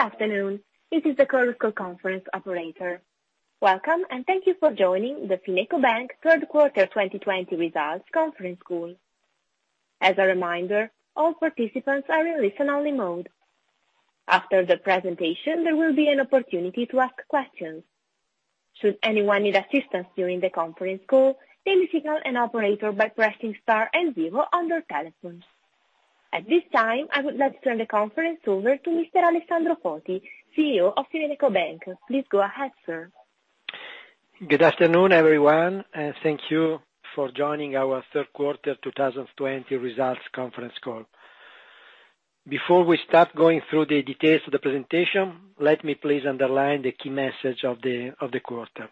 Good afternoon. This is the Chorus Call Conference operator. Welcome, and thank you for joining the FinecoBank Third Quarter 2020 Results Conference Call. As a reminder, all participants are in listen-only mode. After the presentation, there will be an opportunity to ask questions. Should anyone need assistance during the conference call, they may signal an operator by pressing star and zero on their telephones. At this time, I would like to turn the conference over to Mr. Alessandro Foti, CEO of FinecoBank. Please go ahead, sir. Good afternoon, everyone. Thank you for joining our third quarter 2020 results conference call. Before we start going through the details of the presentation, let me please underline the key message of the quarter.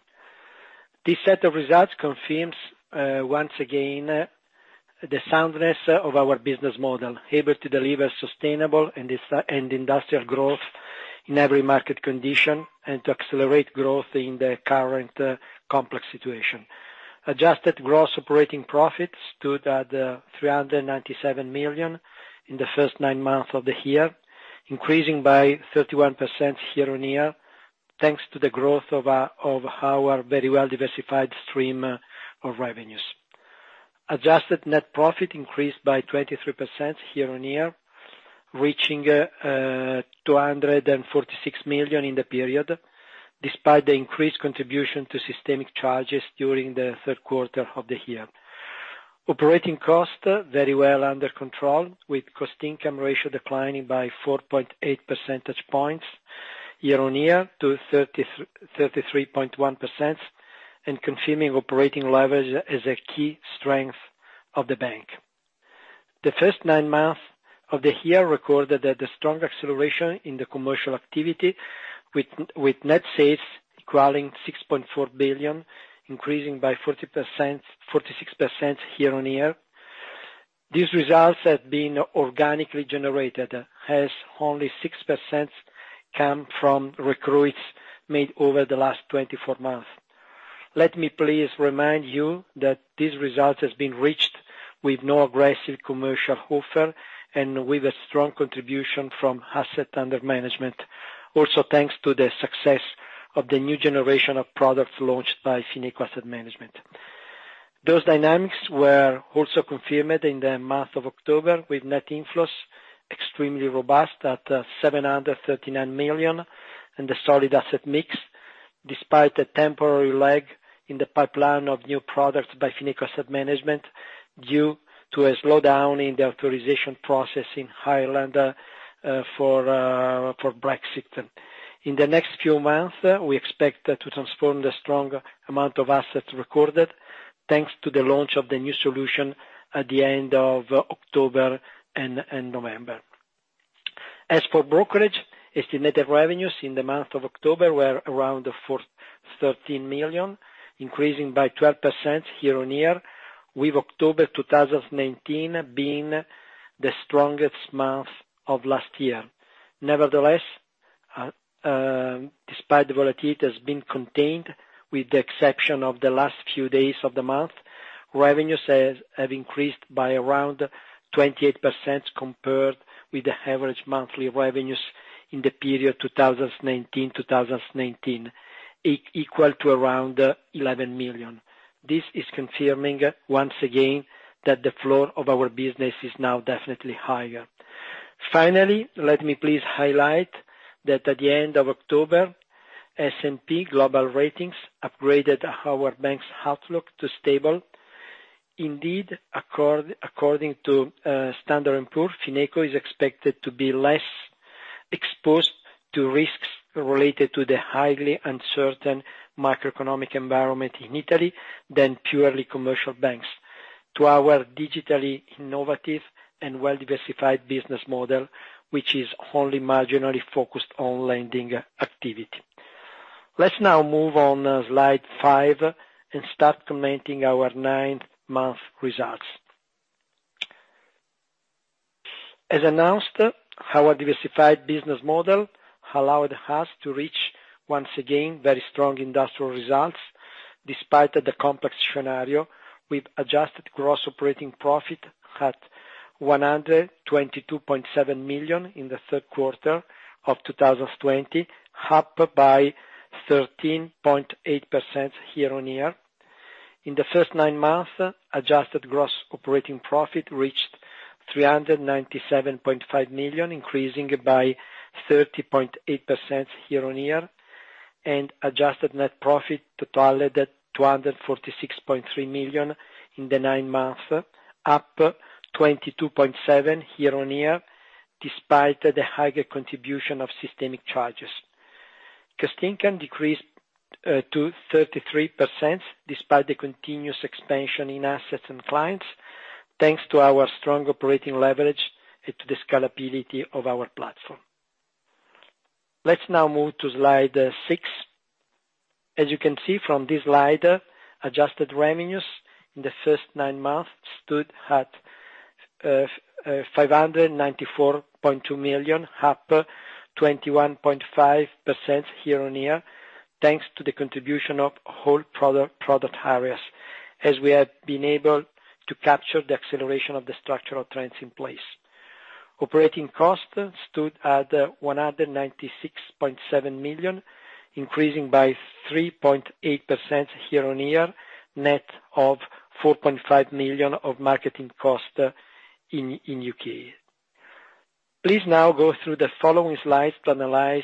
This set of results confirms, once again, the soundness of our business model, able to deliver sustainable and industrial growth in every market condition, and to accelerate growth in the current complex situation. Adjusted gross operating profits stood at 397 million in the first nine months of the year, increasing by 31% year-on-year, thanks to the growth of our very well-diversified stream of revenues. Adjusted net profit increased by 23% year-on-year, reaching 246 million in the period, despite the increased contribution to systemic charges during the third quarter of the year. Operating cost, very well under control, with cost-income ratio declining by 4.8 percentage points year-on-year to 33.1%, and confirming operating leverage as a key strength of the bank. The first nine months of the year recorded the strong acceleration in the commercial activity, with net sales equaling 6.4 billion, increasing by 46% year-on-year. These results have been organically generated, as only 6% come from recruits made over the last 24 months. Let me please remind you that this result has been reached with no aggressive commercial offer, and with a strong contribution from asset under management. Also, thanks to the success of the new generation of products launched by Fineco Asset Management. Those dynamics were also confirmed in the month of October, with net inflows extremely robust at 739 million, and the solid asset mix, despite a temporary lag in the pipeline of new products by Fineco Asset Management due to a slowdown in the authorization process in Ireland for Brexit. In the next few months, we expect to transform the strong amount of assets recorded, thanks to the launch of the new solution at the end of October and November. As for brokerage, estimated revenues in the month of October were around 13 million, increasing by 12% year-on-year, with October 2019 being the strongest month of last year. Nevertheless, despite the volatility that's been contained, with the exception of the last few days of the month, revenues have increased by around 28% compared with the average monthly revenues in the period [2018-2019], equal to around 11 million. This is confirming, once again, that the floor of our business is now definitely higher. Finally, let me please highlight that at the end of October, S&P Global Ratings upgraded our bank's outlook to stable. Indeed, according to Standard & Poor's, Fineco is expected to be less exposed to risks related to the highly uncertain macroeconomic environment in Italy than purely commercial banks, to our digitally innovative and well-diversified business model, which is only marginally focused on lending activity. Let's now move on to slide five and start commenting our nine-month results. As announced, our diversified business model allowed us to reach, once again, very strong industrial results, despite the complex scenario, with adjusted gross operating profit at 122.7 million in the third quarter of 2020, up by 13.8% year-on-year. In the first nine months, adjusted gross operating profit reached 397.5 million, increasing by 30.8% year-on-year, and adjusted net profit totaled at 246.3 million in the nine months, up 22.7% year-on-year, despite the higher contribution of systemic charges. cost-income decreased to 33%, despite the continuous expansion in assets and clients, thanks to our strong operating leverage and to the scalability of our platform. Let's now move to slide six. As you can see from this slide, adjusted revenues in the first nine months stood at 594.2 million, up 21.5% year-on-year, thanks to the contribution of whole product areas, as we have been able to capture the acceleration of the structural trends in place. Operating costs stood at 196.7 million, increasing by 3.8% year-on-year, net of 4.5 million of marketing cost in U.K. Please now go through the following slides to analyze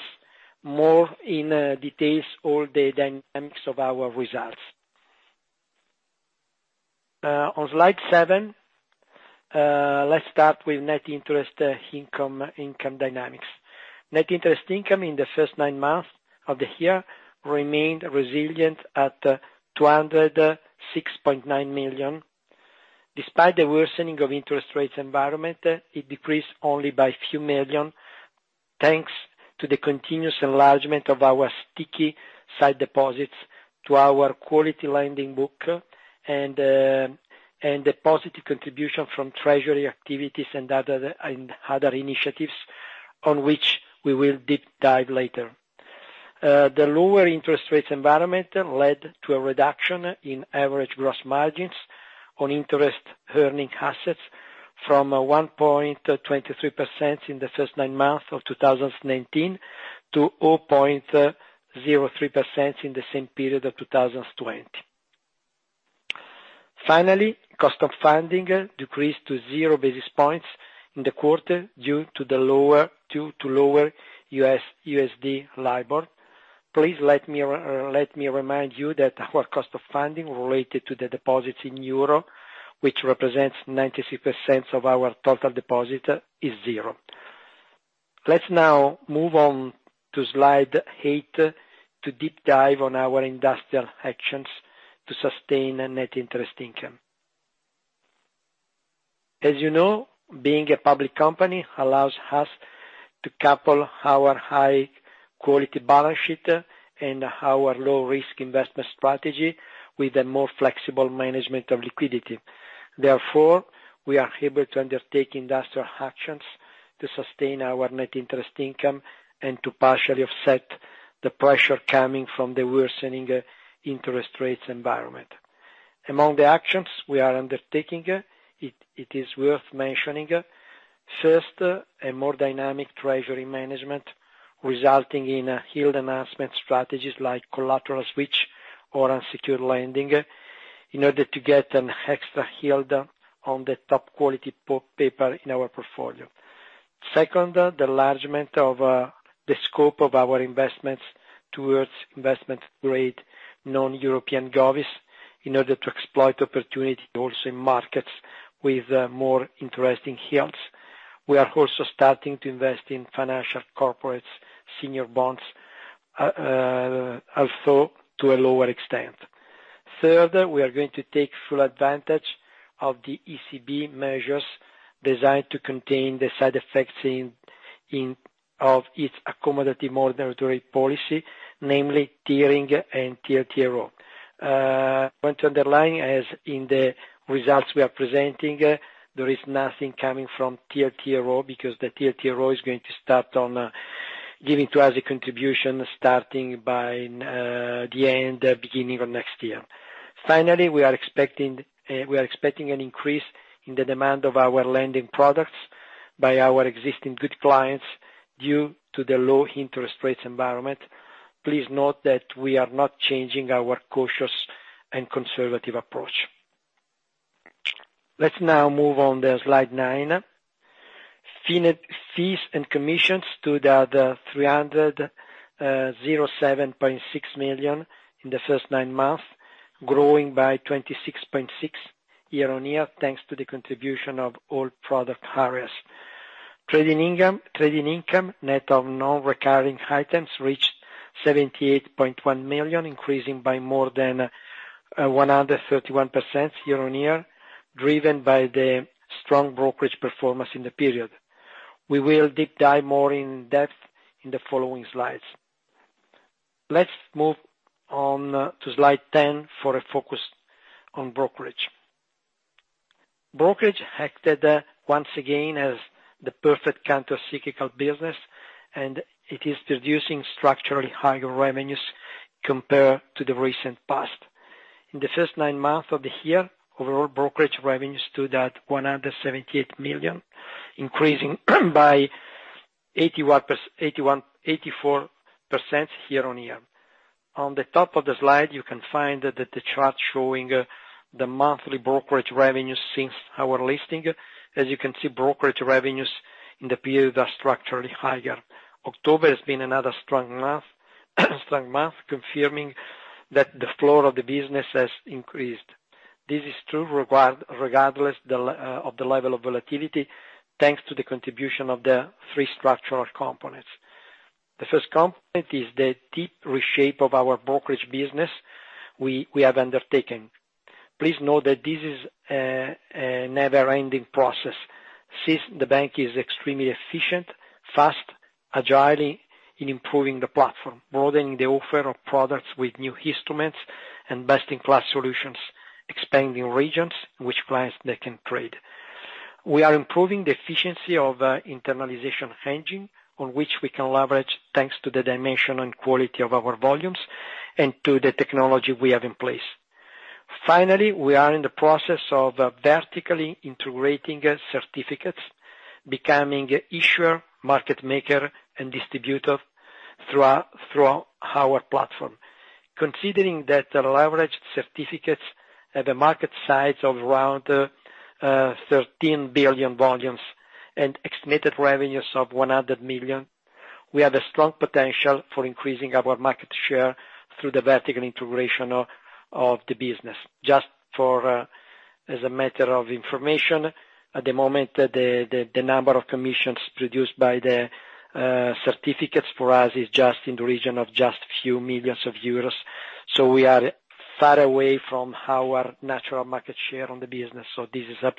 more in detail all the dynamics of our results. On slide seven, let's start with Net Interest Income dynamics. Net Interest Income in the first nine months of the year remained resilient at 206.9 million. Despite the worsening of interest rates environment, it decreased only by a few million, thanks to the continuous enlargement of our sticky side deposits to our quality lending book, and the positive contribution from treasury activities and other initiatives on which we will deep dive later. The lower interest rates environment led to a reduction in average gross margins on interest-earning assets from 1.23% in the first nine months of 2019 to 0.03% in the same period of 2020. Finally, cost of funding decreased to zero basis points in the quarter due to lower USD LIBOR. Please let me remind you that our cost of funding related to the deposits in Euro, which represents 96% of our total deposit, is zero. Let's now move on to slide eight to deep dive on our industrial actions to sustain net interest income. As you know, being a public company allows us to couple our high-quality balance sheet and our low-risk investment strategy with a more flexible management of liquidity. Therefore, we are able to undertake industrial actions to sustain our net interest income and to partially offset the pressure coming from the worsening interest rates environment. Among the actions we are undertaking, it is worth mentioning, first, a more dynamic treasury management, resulting in a yield enhancement strategies like collateral switch or unsecured lending in order to get an extra yield on the top-quality paper in our portfolio. Second, the enlargement of the scope of our investments towards investment-grade non-European [govvs] in order to exploit opportunity also in markets with more interesting yields. We are also starting to invest in financial corporates, senior bonds, also to a lower extent. Third, we are going to take full advantage of the ECB measures designed to contain the side effects of its accommodative monetary policy, namely tiering and TLTRO. We want to underline, as in the results we are presenting, there is nothing coming from TLTRO because the TLTRO is going to start on giving to us a contribution starting by the end, beginning of next year. We are expecting an increase in the demand of our lending products by our existing good clients due to the low interest rates environment. Please note that we are not changing our cautious and conservative approach. Let's now move on to slide nine. Fees and commissions stood at 307.6 million in the first nine months, growing by 26.6% year-on-year, thanks to the contribution of all product areas. Trading income net of non-recurring items reached 78.1 million, increasing by more than 131% year-on-year, driven by the strong brokerage performance in the period. We will deep dive more in depth in the following slides. Let's move on to slide 10 for a focus on brokerage. Brokerage acted once again as the perfect counter-cyclical business, it is producing structurally higher revenues compared to the recent past. In the first nine months of the year, overall brokerage revenues stood at 178 million, increasing by 84% year-on-year. On the top of the slide, you can find the chart showing the monthly brokerage revenues since our listing. You can see, brokerage revenues in the period are structurally higher. October has been another strong month, confirming that the floor of the business has increased. This is true regardless of the level of volatility, thanks to the contribution of the three structural components. The first component is the deep reshape of our brokerage business we have undertaken. Please note that this is a never-ending process. Since the bank is extremely efficient, fast, agile in improving the platform, broadening the offer of products with new instruments and best-in-class solutions, expanding regions in which clients they can trade. We are improving the efficiency of internalization hedging, on which we can leverage thanks to the dimension and quality of our volumes and to the technology we have in place. Finally, we are in the process of vertically integrating certificates, becoming issuer, market maker, and distributor through our platform. Considering that leveraged certificates have a market size of around 13 billion volumes and estimated revenues of 100 million, we have a strong potential for increasing our market share through the vertical integration of the business. Just as a matter of information, at the moment, the number of commissions produced by the certificates for us is just in the region of a few millions of euros. We are far away from our natural market share on the business. This is an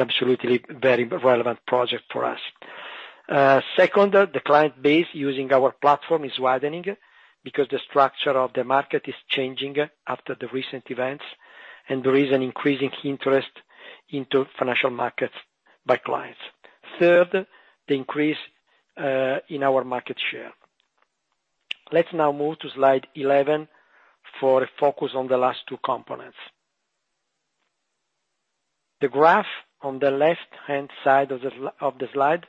absolutely very relevant project for us. Second, the client base using our platform is widening because the structure of the market is changing after the recent events, and there is an increasing interest into financial markets by clients. Third, the increase in our market share. Let's now move to slide 11 for a focus on the last two components. The graph on the left-hand side of the slide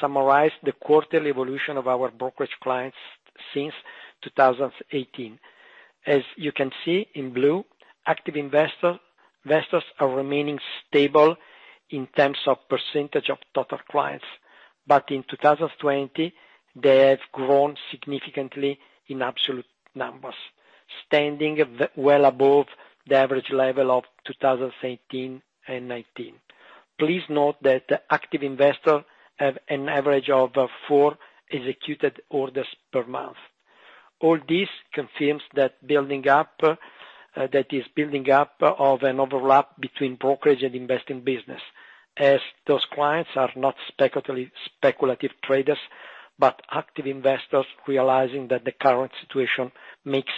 summarizes the quarterly evolution of our brokerage clients since 2018. As you can see in blue, active investors are remaining stable in terms of percentage of total clients. In 2020, they have grown significantly in absolute numbers, standing well above the average level of 2018 and 2019. Please note that the active investors have an average of four executed orders per month. All this confirms that is building up of an overlap between brokerage and investing business, as those clients are not speculative traders, but active investors realizing that the current situation makes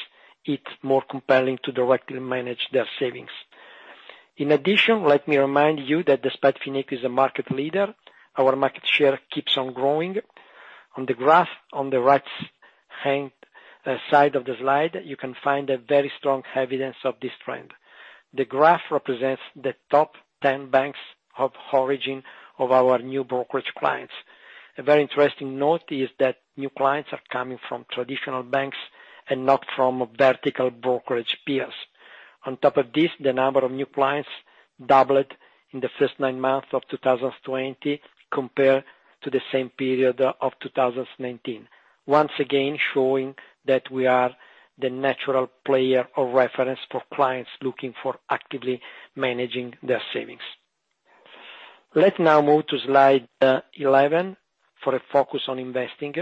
it more compelling to directly manage their savings. In addition, let me remind you that despite Fineco is a market leader, our market share keeps on growing. On the graph on the right-hand side of the slide, you can find a very strong evidence of this trend. The graph represents the top 10 banks of origin of our new brokerage clients. A very interesting note is that new clients are coming from traditional banks and not from vertical brokerage peers. The number of new clients doubled in the first nine months of 2020 compared to the same period of 2019. Once again, showing that we are the natural player of reference for clients looking for actively managing their savings. Let's now move to slide 11 for a focus on investing.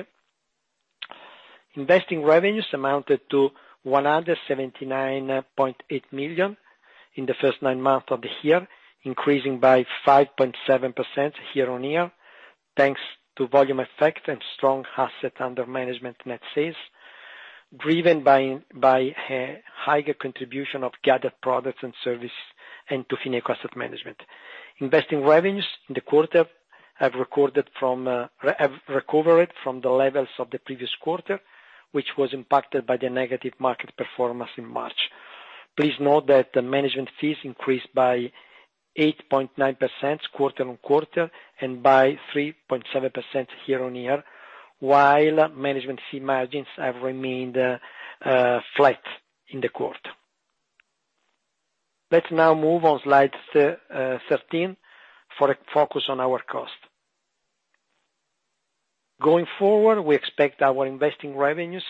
Investing revenues amounted to 179.8 million in the first nine months of the year, increasing by 5.7% year-on-year, thanks to volume effect and strong asset under management net sales, driven by a higher contribution of gathered products and service into Fineco Asset Management. Investing revenues in the quarter have recovered from the levels of the previous quarter, which was impacted by the negative market performance in March. Please note that the management fees increased by 8.9% quarter on quarter and by 3.7% year on year, while management fee margins have remained flat in the quarter. Let's now move on slide 13 for a focus on our cost. Going forward, we expect our investing revenues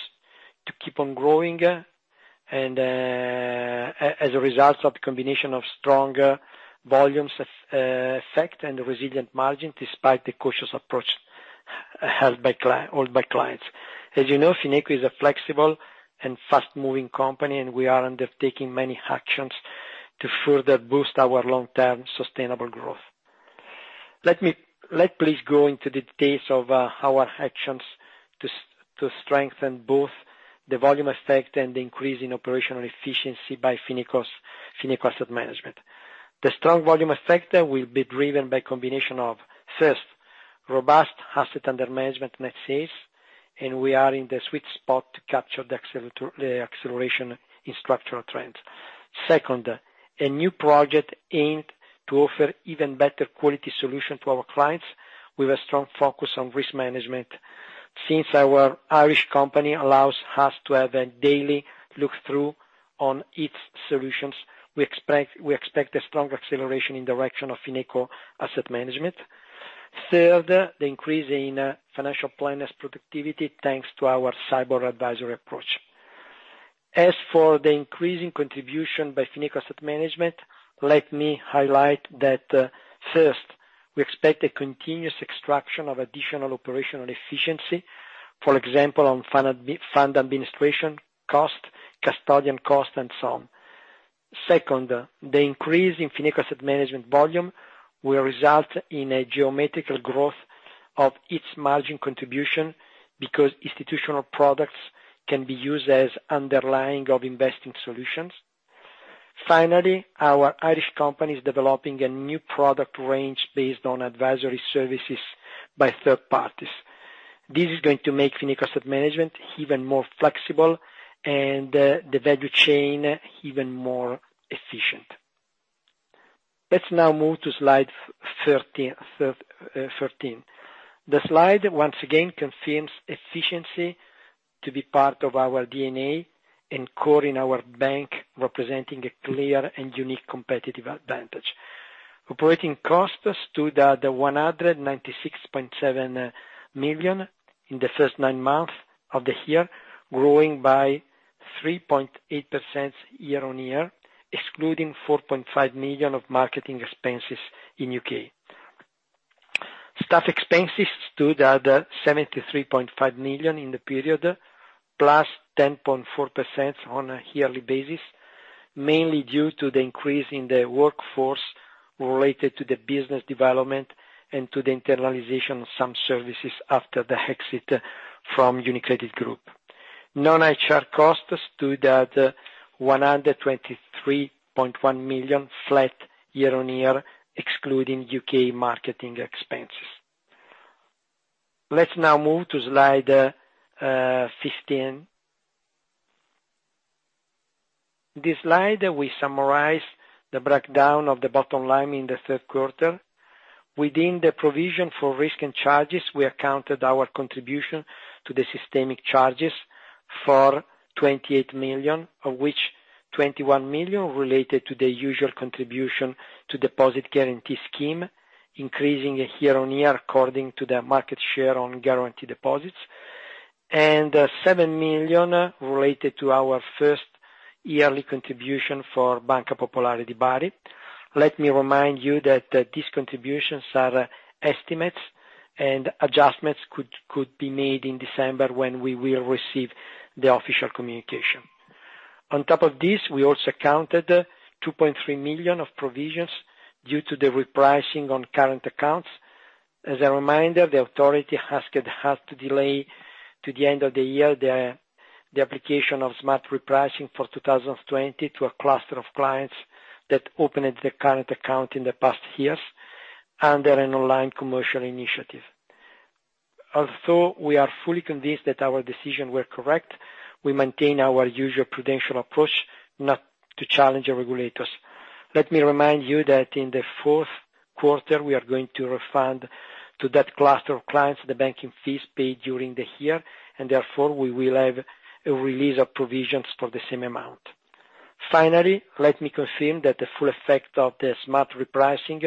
to keep on growing and as a result of the combination of strong volumes effect and resilient margin, despite the cautious approach held by clients. As you know, Fineco is a flexible and fast-moving company, and we are undertaking many actions to further boost our long-term sustainable growth. Let please go into the details of our actions to strengthen both the volume effect and the increase in operational efficiency by Fineco Asset Management. The strong volume effect will be driven by a combination of, first, robust asset under management net sales. We are in the sweet spot to capture the acceleration in structural trends. Second, a new project aimed to offer even better quality solution to our clients with a strong focus on risk management. Since our Irish company allows us to have a daily look through on its solutions, we expect a strong acceleration in direction of Fineco Asset Management. Third, the increase in financial planners productivity, thanks to our cyborg advisory approach. As for the increasing contribution by Fineco Asset Management, let me highlight that, first, we expect a continuous extraction of additional operational efficiency. For example, on fund administration cost, custodian cost, and so on. Second, the increase in Fineco Asset Management volume will result in a geometrical growth of its margin contribution, because institutional products can be used as underlying of investing solutions. Finally, our Irish company is developing a new product range based on advisory services by third parties. This is going to make Fineco Asset Management even more flexible and the value chain even more efficient. Let's now move to slide 13. The slide once again confirms efficiency to be part of our DNA and core in our bank, representing a clear and unique competitive advantage. Operating costs stood at 196.7 million in the first nine months of the year, growing by 3.8% year-on-year, excluding 4.5 million of marketing expenses in U.K. Staff expenses stood at 73.5 million in the period, +10.4% on a yearly basis, mainly due to the increase in the workforce related to the business development and to the internalization of some services after the exit from UniCredit Group. Non-HR costs stood at 123.1 million, flat year-on-year, excluding U.K. marketing expenses. Let's now move to slide 15. In this slide, we summarize the breakdown of the bottom line in the third quarter. Within the provision for risk and charges, we accounted our contribution to the systemic charges for 28 million, of which 21 million related to the usual contribution to deposit guarantee scheme, increasing year-on-year according to the market share on guarantee deposits. 7 million related to our first yearly contribution for Banca Popolare di Bari. Let me remind you that these contributions are estimates, and adjustments could be made in December when we will receive the official communication. On top of this, we also counted 2.3 million of provisions due to the repricing on current accounts. As a reminder, the authority has had to delay to the end of the year the application of smart repricing for 2020 to a cluster of clients that opened the current account in the past years under an online commercial initiative. Although we are fully convinced that our decision were correct, we maintain our usual prudential approach not to challenge our regulators. Let me remind you that in the fourth quarter, we are going to refund to that cluster of clients the banking fees paid during the year, and therefore, we will have a release of provisions for the same amount. Finally, let me confirm that the full effect of the smart repricing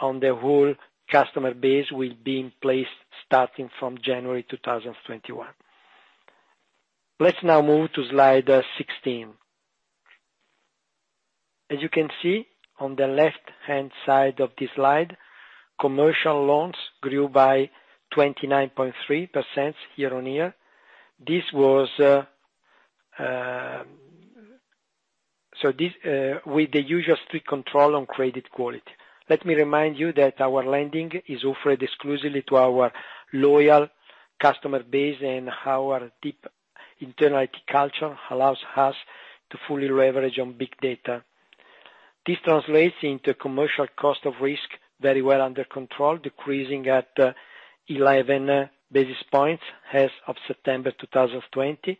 on the whole customer base will be in place starting from January 2021. Let's now move to slide 16. As you can see on the left-hand side of this slide, commercial loans grew by 29.3% year-on-year. With the usual strict control on credit quality. Let me remind you that our lending is offered exclusively to our loyal customer base, and our deep internal IT culture allows us to fully leverage on big data. This translates into commercial cost of risk very well under control, decreasing at 11 basis points as of September 2020,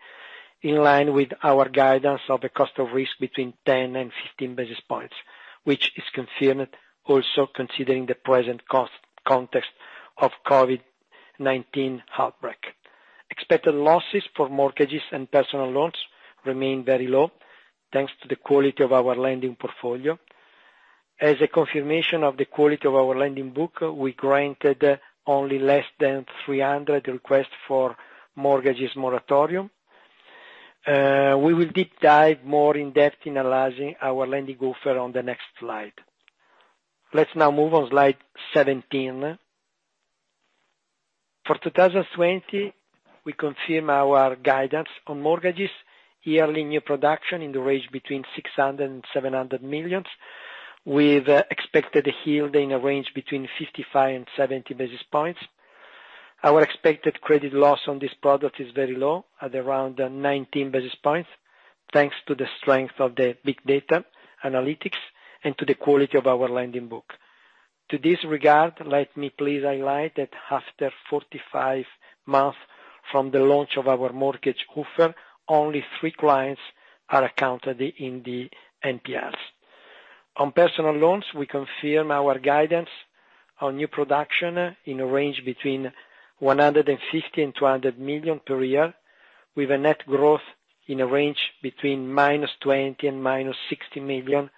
in line with our guidance of a cost of risk between 10 and 15 basis points, which is confirmed also considering the present cost context of COVID-19 outbreak. Expected losses for mortgages and personal loans remain very low, thanks to the quality of our lending portfolio. As a confirmation of the quality of our lending book, we granted only less than 300 requests for mortgages moratorium. We will deep dive more in depth in analyzing our lending offer on the next slide. Let's now move on slide 17. For 2020, we confirm our guidance on mortgages, yearly new production in the range between 600 million and 700 million, with expected yield in a range between 55 and 70 basis points. Our expected credit loss on this product is very low, at around 19 basis points, thanks to the strength of the big data analytics and to the quality of our lending book. To this regard, let me please highlight that after 45 months from the launch of our mortgage offer, only three clients are accounted in the NPLs. On personal loans, we confirm our guidance on new production in a range between 150 million and 200 million per year, with a net growth in a range between -20 million and -60 million,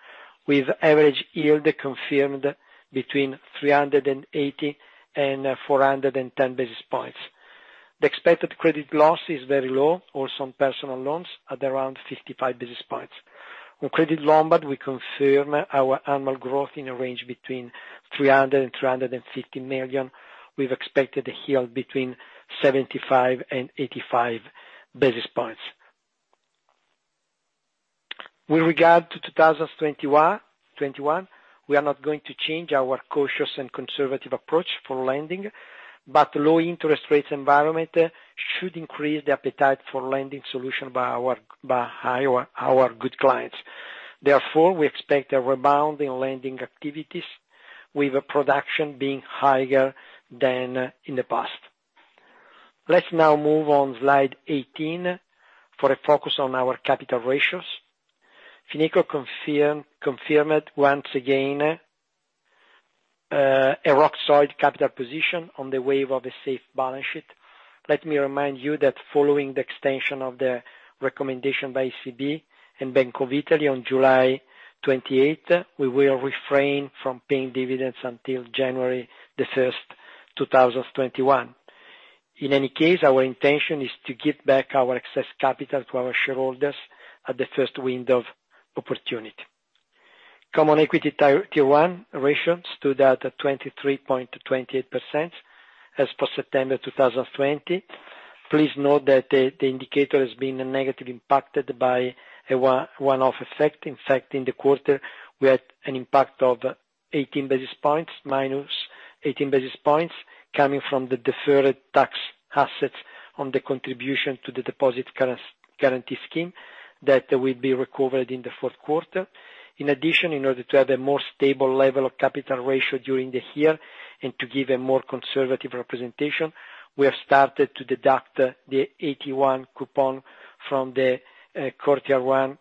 with average yield confirmed between 380 and 410 basis points. The expected credit loss is very low for some personal loans at around 55 basis points. On Credit Lombard, we confirm our annual growth in a range between 300 million and 350 million. We've expected a yield between 75 and 85 basis points. With regard to 2021, we are not going to change our cautious and conservative approach for lending, low interest rates environment should increase the appetite for lending solution by our good clients. We expect a rebound in lending activities with a production being higher than in the past. Let's now move on slide 18 for a focus on our capital ratios. Fineco confirmed once again, a rock solid capital position on the wave of a safe balance sheet. Let me remind you that following the extension of the recommendation by ECB and Bank of Italy on July 28th, we will refrain from paying dividends until January 1st, 2021. Our intention is to give back our excess capital to our shareholders at the first window of opportunity. Common Equity Tier 1 ratio stood at 23.28% as per September 2020. Please note that the indicator has been negatively impacted by a one-off effect. In the quarter, we had an impact of 18 basis points, minus 18 basis points, coming from the Deferred Tax Assets on the contribution to the deposit guarantee scheme that will be recovered in the fourth quarter. In addition, in order to have a more stable level of capital ratio during the year and to give a more conservative representation, we have started to deduct the AT1 coupon from the quarter one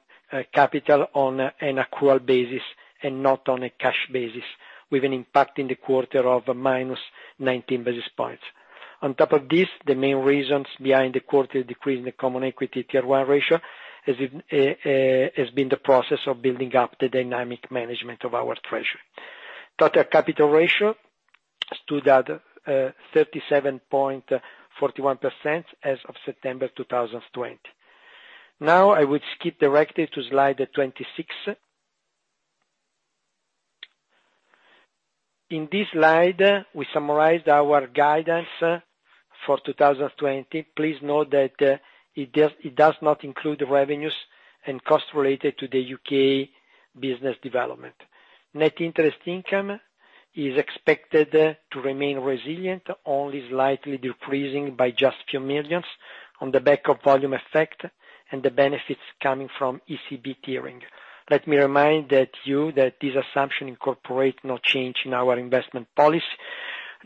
capital on an accrual basis and not on a cash basis, with an impact in the quarter of -19 basis points. On top of this, the main reasons behind the quarter decrease in the Common Equity Tier 1 ratio, has been the process of building up the dynamic management of our treasury. Total capital ratio stood at 37.41% as of September 2020. I will skip directly to slide 26. In this slide, we summarized our guidance for 2020. Please note that it does not include the revenues and costs related to the U.K. business development. Net interest income is expected to remain resilient, only slightly decreasing by just few millions Euro on the back of volume effect and the benefits coming from ECB tiering. Let me remind you that this assumption incorporates no change in our investment policy,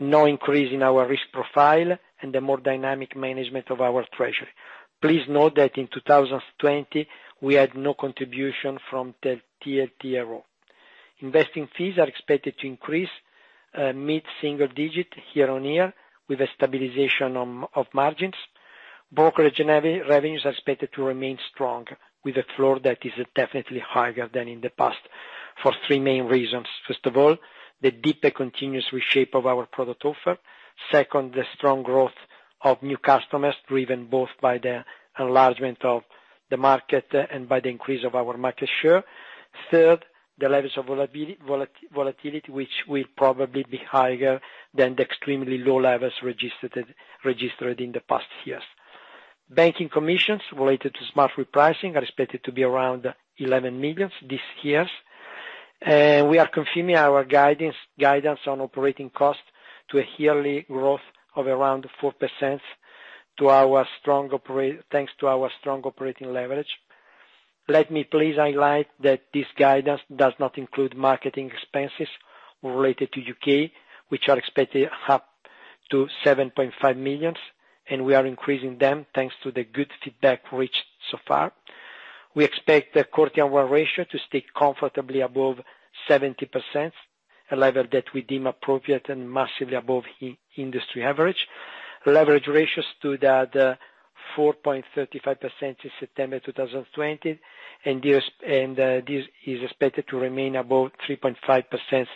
no increase in our risk profile, and the more dynamic management of our treasury. Please note that in 2020, we had no contribution from TLTRO. Investing fees are expected to increase mid-single digit year-over-year, with a stabilization of margins. Brokerage revenues are expected to remain strong, with a floor that is definitely higher than in the past for three main reasons. First of all, the deeper continuous reshape of our product offer. Second, the strong growth of new customers, driven both by the enlargement of the market and by the increase of our market share. Third, the levels of volatility, which will probably be higher than the extremely low levels registered in the past years. Banking commissions related to smart repricing are expected to be around 11 million this year. We are confirming our guidance on operating costs to a yearly growth of around 4% thanks to our strong operating leverage. Let me please highlight that this guidance does not include marketing expenses related to U.K., which are expected up to 7.5 million, and we are increasing them thanks to the good feedback reached so far. We expect the CET1 ratio to stay comfortably above 70%, a level that we deem appropriate and massively above industry average. Leverage ratio stood at 4.35% in September 2020, and this is expected to remain above 3.5%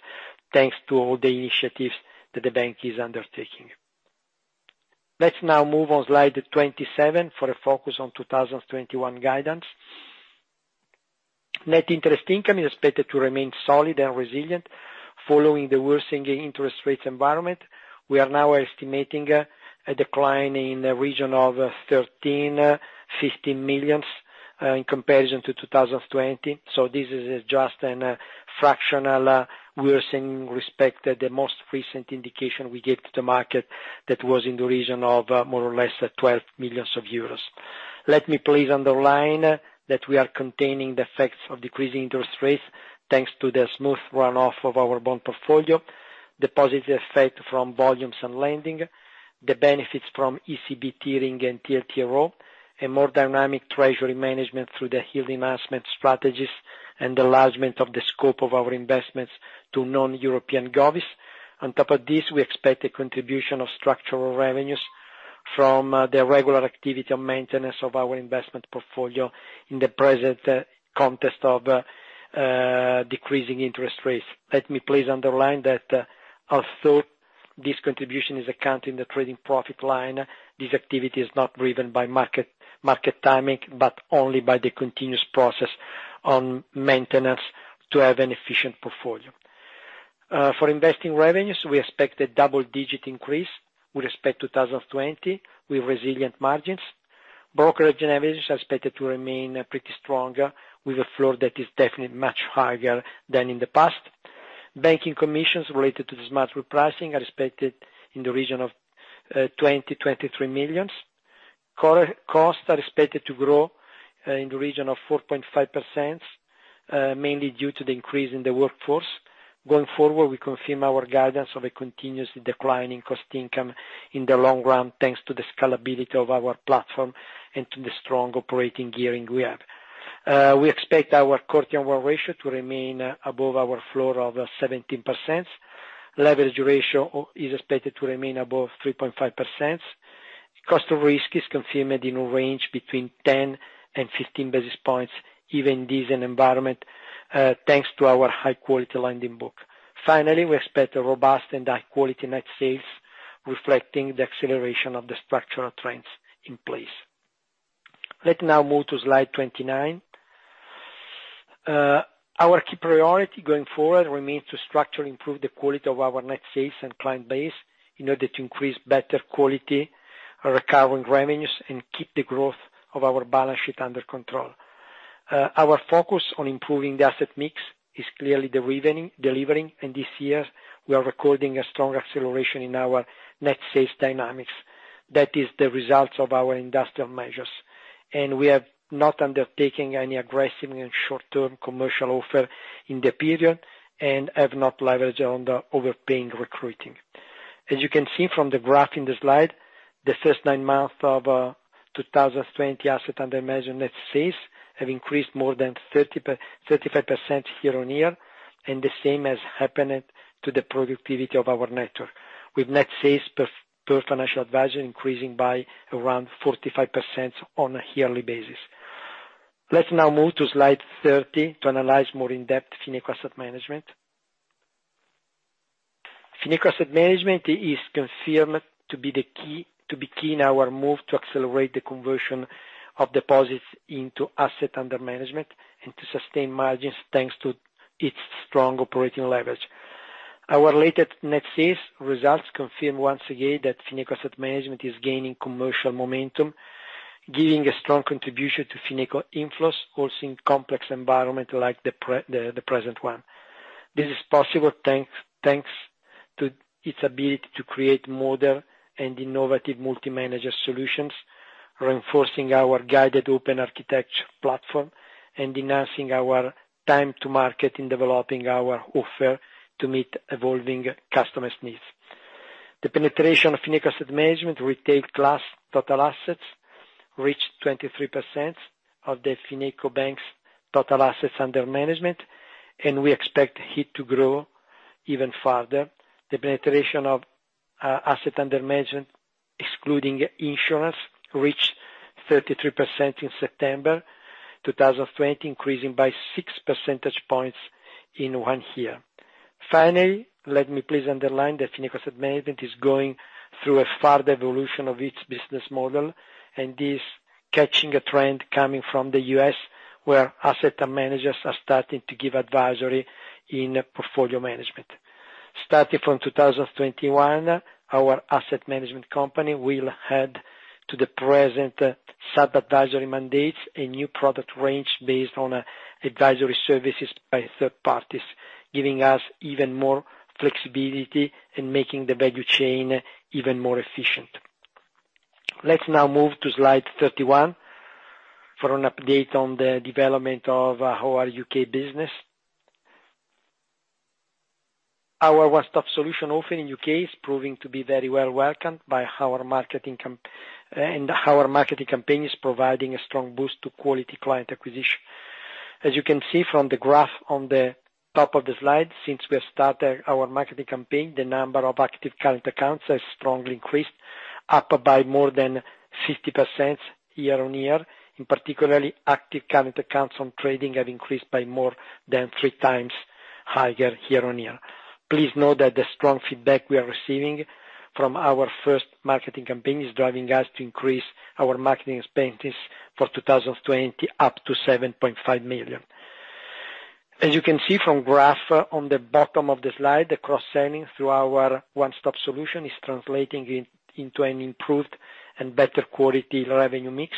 thanks to all the initiatives that the bank is undertaking. Let's now move on slide 27 for a focus on 2021 guidance. Net interest income is expected to remain solid and resilient following the worsening interest rates environment. We are now estimating a decline in the region of 13 million-15 million, in comparison to 2020. This is just a fractional worsening respect the most recent indication we gave to the market that was in the region of more or less 12 million euros. Let me please underline that we are containing the effects of decreasing interest rates, thanks to the smooth runoff of our bond portfolio, the positive effect from volumes and lending, the benefits from ECB tiering and TLTRO, a more dynamic treasury management through the yield enhancement strategies, and enlargement of the scope of our investments to non-European govvs. On top of this, we expect a contribution of structural revenues from the regular activity of maintenance of our investment portfolio in the present context of decreasing interest rates. Let me please underline that although this contribution is accounting the trading profit line, this activity is not driven by market timing, but only by the continuous process on maintenance to have an efficient portfolio. For investing revenues, we expect a double-digit increase with respect to 2020, with resilient margins. Brokerage revenues are expected to remain pretty strong, with a floor that is definitely much higher than in the past. Banking commissions related to the smart repricing are expected in the region of 20 million-23 million. Costs are expected to grow in the region of 4.5%, mainly due to the increase in the workforce. Going forward, we confirm our guidance of a continuously declining cost-income in the long run, thanks to the scalability of our platform and to the strong operating gearing we have. We expect our Core Tier 1 ratio to remain above our floor of 17%. Leverage ratio is expected to remain above 3.5%. Cost of risk is confirmed in a range between 10 and 15 basis points, even in this environment, thanks to our high-quality lending book. Finally, we expect a robust and high-quality net sales, reflecting the acceleration of the structural trends in place. Let's now move to slide 29. Our key priority going forward remains to structurally improve the quality of our net sales and client base in order to increase better quality recurring revenues and keep the growth of our balance sheet under control. Our focus on improving the asset mix is clearly delivering. This year we are recording a strong acceleration in our net sales dynamics. That is the result of our industrial measures. We have not undertaken any aggressive and short-term commercial offer in the period and have not leveraged on the overpaying recruiting. As you can see from the graph in the slide, the first nine months of 2020 asset under management net sales have increased more than 35% year-on-year. The same has happened to the productivity of our network, with net sales per financial advisor increasing by around 45% on a yearly basis. Let's now move to slide 30 to analyze more in depth Fineco Asset Management. Fineco Asset Management is confirmed to be key in our move to accelerate the conversion of deposits into assets under management and to sustain margins, thanks to its strong operating leverage. Our related net sales results confirm once again that Fineco Asset Management is gaining commercial momentum, giving a strong contribution to Fineco inflows, also in complex environment like the present one. This is possible thanks to its ability to create modern and innovative multi-manager solutions, reinforcing our guided open architecture platform and enhancing our time to market in developing our offer to meet evolving customers' needs. The penetration of Fineco Asset Management retail class total assets reached 23% of the FinecoBank's total assets under management, and we expect it to grow even further. The penetration of asset under management, excluding insurance, reached 33% in September 2020, increasing by six percentage points in one year. Let me please underline that Fineco Asset Management is going through a further evolution of its business model, is catching a trend coming from the U.S., where asset managers are starting to give advisory in portfolio management. Starting from 2021, our asset management company will add to the present sub-advisory mandates a new product range based on advisory services by third parties, giving us even more flexibility in making the value chain even more efficient. Let's now move to slide 31 for an update on the development of our U.K. business. Our one-stop solution offer in U.K. is proving to be very well welcomed by our marketing campaigns, providing a strong boost to quality client acquisition. As you can see from the graph on the top of the slide, since we have started our marketing campaign, the number of active current accounts has strongly increased, up by more than 50% year on year. In particular, active current accounts on trading have increased by more than three times higher year on year. Please note that the strong feedback we are receiving from our first marketing campaign is driving us to increase our marketing expenses for 2020 up to 7.5 million. As you can see from graph on the bottom of the slide, the cross-selling through our one-stop solution is translating into an improved and better quality revenue mix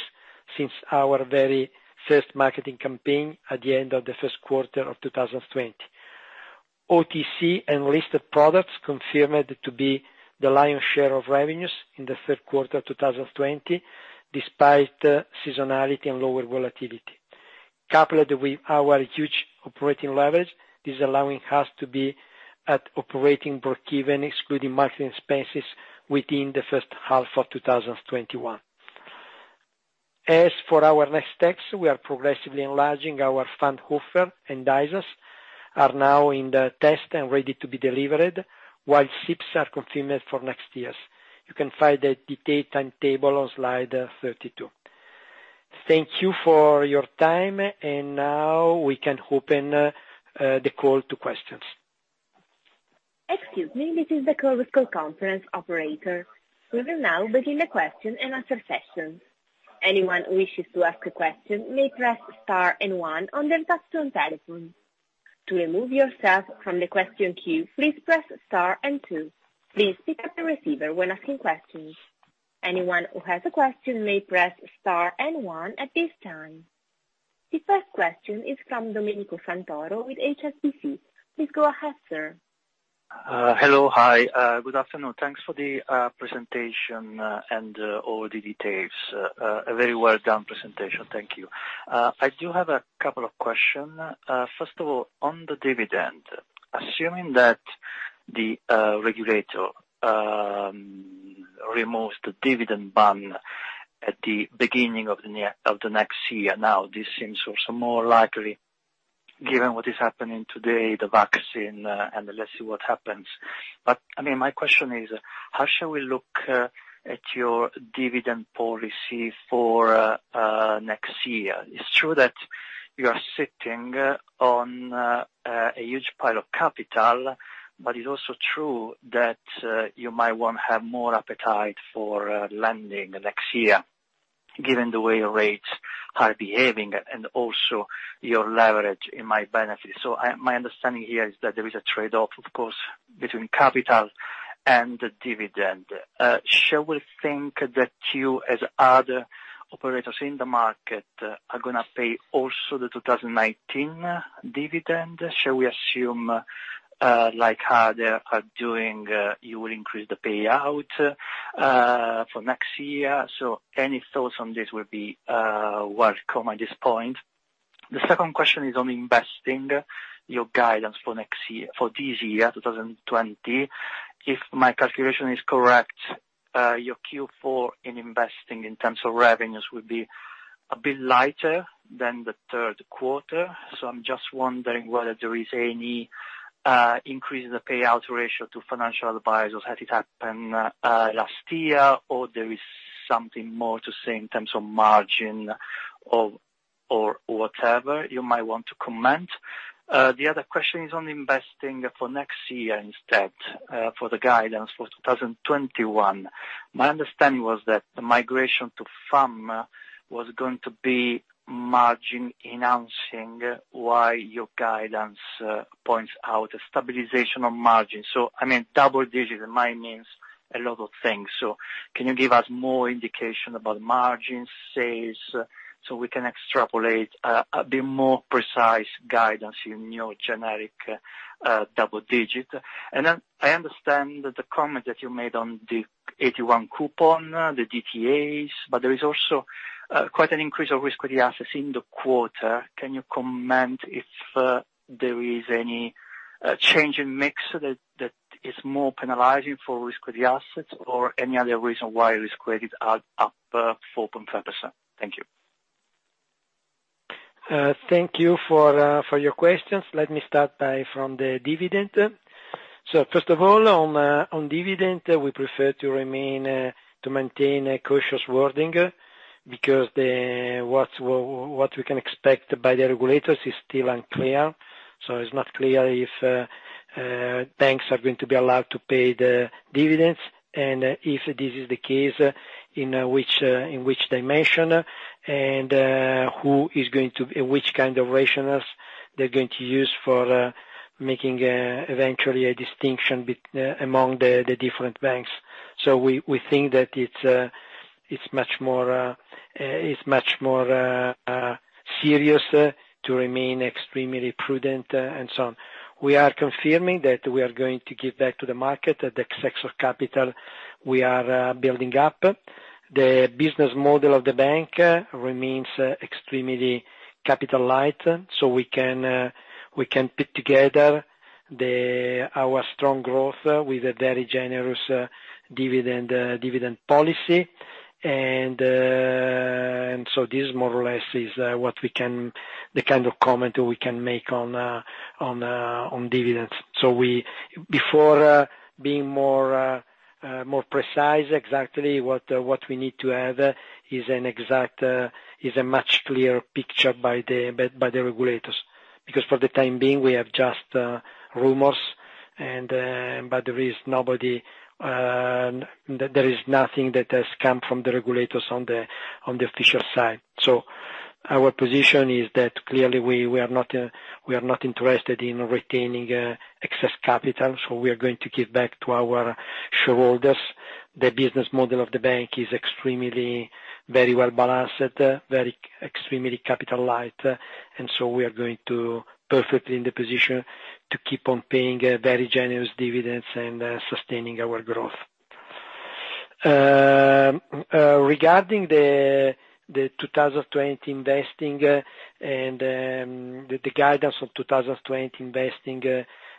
since our very first marketing campaign at the end of the first quarter of 2020. OTC and listed products confirmed to be the lion's share of revenues in the third quarter 2020, despite seasonality and lower volatility. Coupled with our huge operating leverage, this allowing us to be at operating break-even, excluding marketing expenses, within the first half of 2021. As for our next steps, we are progressively enlarging our fund offer, and ISAs are now in the test and ready to be delivered, while SIPPs are confirmed for next year. You can find the detailed timetable on slide 32. Thank you for your time. Now we can open the call to questions. We will now begin the question and answer session. Anyone who wishes to ask a question may press star and One on their touch-tone telephone. To remove yourself from the question queue, please press star and two. Please pick up the receiver when asking questions. Anyone who has a question may press star and one at this time. The first question is from Domenico Santoro with HSBC. Please go ahead, sir. Hello. Good afternoon. Thanks for the presentation and all the details. A very well done presentation. Thank you. I do have a couple of questions. First of all, on the dividend, assuming that the regulator removes the dividend ban at the beginning of the next year. This seems also more likely given what is happening today, the vaccine, and let's see what happens. My question is, how shall we look at your dividend policy for next year? It's true that you are sitting on a huge pile of capital, but it's also true that you might want to have more appetite for lending next year, given the way rates are behaving and also your leverage in my benefit. My understanding here is that there is a trade-off, of course, between capital and the dividend. Shall we think that you, as other operators in the market, are going to pay also the 2019 dividend? Shall we assume, like others are doing, you will increase the payout for next year? Any thoughts on this will be welcome at this point. The second question is on investing your guidance for this year, 2020. If my calculation is correct, your Q4 in investing in terms of revenues will be a bit lighter than the third quarter. I'm just wondering whether there is any increase in the payout ratio to financial advisors, has it happened last year, or there is something more to say in terms of margin or whatever you might want to comment. The other question is on investing for next year instead, for the guidance for 2021. My understanding was that the migration to FAM was going to be margin-enhancing, why your guidance points out a stabilization of margin. Double digit, I mean, a lot of things. Can you give us more indication about margin, sales, so we can extrapolate a bit more precise guidance in your generic double digit. I understand the comment that you made on the AT1 coupon, the DTAs, there is also quite an increase of risk-free assets in the quarter. Can you comment if there is any change in mix that is more penalizing for risk-free assets or any other reason why cost of risk are up 4.5%? Thank you. Thank you for your questions. Let me start from the dividend. First of all, on dividend, we prefer to maintain a cautious wording because what we can expect by the regulators is still unclear. It's not clear if banks are going to be allowed to pay the dividends, and if this is the case, in which dimension and which kind of rationals they're going to use for making eventually a distinction among the different banks. We think that it's much more serious to remain extremely prudent and so on. We are confirming that we are going to give back to the market the excess capital we are building up. The business model of the bank remains extremely capital light. We can put together our strong growth with a very generous dividend policy. This more or less is the kind of comment we can make on dividends. Before being more precise, exactly what we need to have is a much clearer picture by the regulators. For the time being, we have just rumors, but there is nothing that has come from the regulators on the official side. Our position is that clearly we are not interested in retaining excess capital, so we are going to give back to our shareholders. The business model of the bank is extremely very well balanced, extremely capital light. We are going to perfectly in the position to keep on paying very generous dividends and sustaining our growth. Regarding the guidance of 2020 investing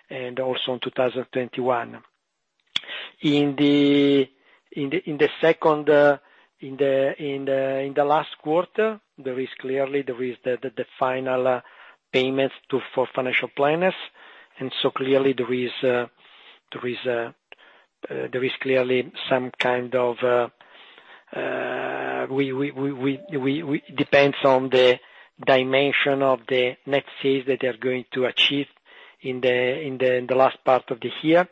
and also in 2021. In the last quarter, there is clearly the final payments for financial advisors, and so there is clearly some kind of It depends on the dimension of the next phase that they're going to achieve in the last part of the year.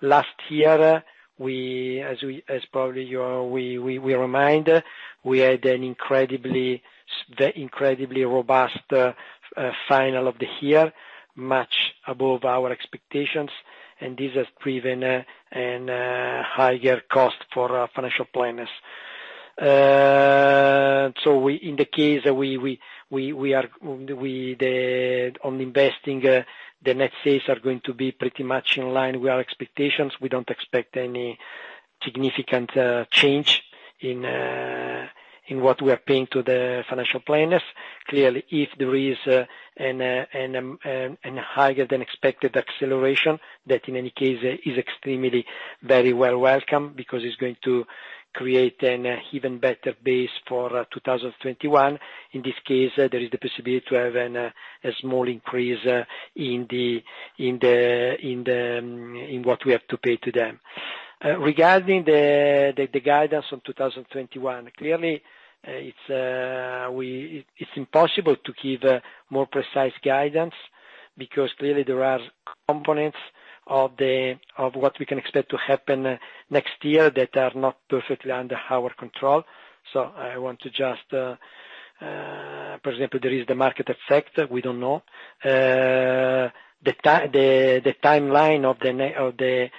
Last year, as probably we remind, we had an incredibly robust final of the year, much above our expectations, and this has driven a higher cost for financial advisors. In the case on investing, the next phases are going to be pretty much in line with our expectations. We don't expect any significant change in what we are paying to the financial advisors. If there is a higher than expected acceleration, that in any case is extremely very well welcome, because it's going to create an even better base for 2021. In this case, there is the possibility to have a small increase in what we have to pay to them. Regarding the guidance on 2021, clearly it's impossible to give a more precise guidance, because clearly there are components of what we can expect to happen next year that are not perfectly under our control. For example, there is the market effect. We don't know. The timeline of the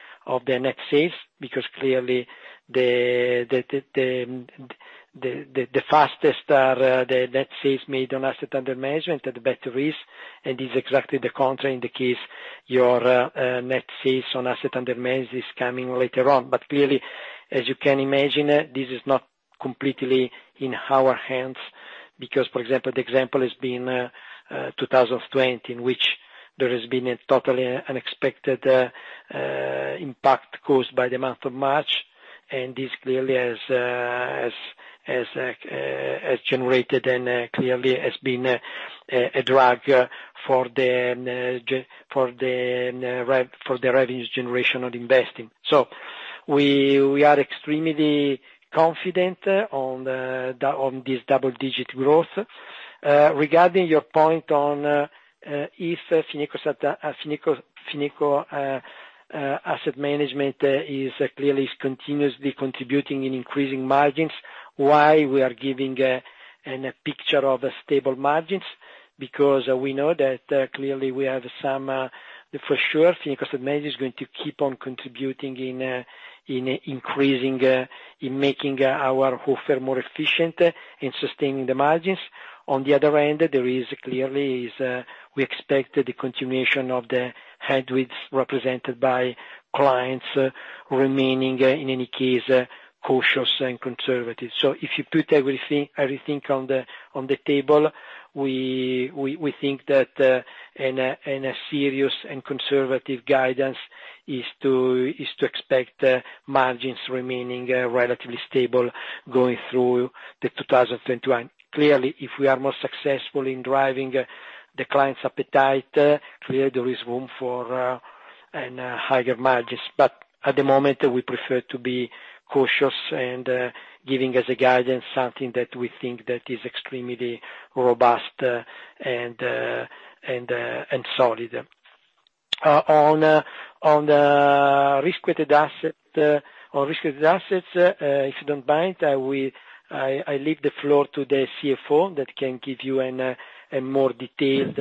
next phase, because clearly the fastest are the net sales made on asset under management at the better risk. It's exactly the contrary in the case your net sales on asset under management is coming later on. Clearly, as you can imagine, this is not completely in our hands because, for example, the example has been 2020, in which there has been a totally unexpected impact caused by the month of March, and this clearly has generated and clearly has been a drag for the revenues generation on investing. We are extremely confident on this double-digit growth. Regarding your point on if Fineco Asset Management is clearly continuously contributing in increasing margins, why we are giving a picture of stable margins? For sure, Fineco Asset Management is going to keep on contributing in making our whole firm more efficient in sustaining the margins. On the other hand, there is clearly, we expect the continuation of the headwinds represented by clients remaining, in any case, cautious and conservative. If you put everything on the table, we think that in a serious and conservative guidance is to expect margins remaining relatively stable going through 2021. Clearly, if we are more successful in driving the clients' appetite, clearly there is room for higher margins. At the moment, we prefer to be cautious and giving as a guidance, something that we think that is extremely robust and solid. On risk-weighted assets, if you don't mind, I leave the floor to the CFO that can give you a more detailed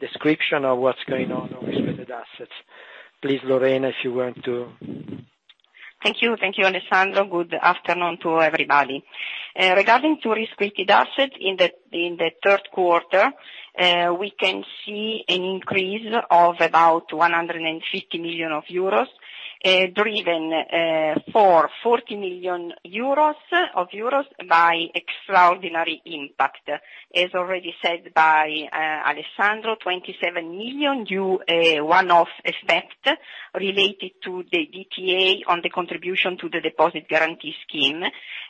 description of what's going on on risk-weighted assets. Please, Lorena, if you want to. Thank you. Thank you, Alessandro. Good afternoon to everybody. Regarding to risk-weighted assets in the third quarter, we can see an increase of about 150 million euros, driven for 40 million euros by extraordinary impact. As already said by Alessandro, 27 million due a one-off effect related to the DTA on the contribution to the deposit guarantee scheme.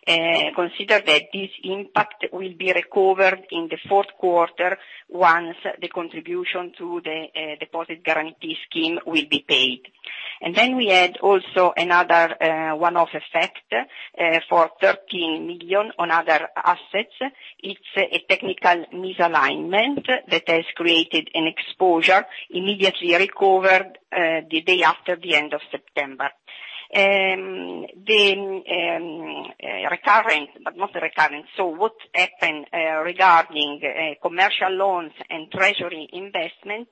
Consider that this impact will be recovered in the fourth quarter once the contribution to the deposit guarantee scheme will be paid. We add also another one-off effect for 13 million on other assets. It's a technical misalignment that has created an exposure immediately recovered the day after the end of September. Recurring, but not recurring. What happened regarding commercial loans and treasury investment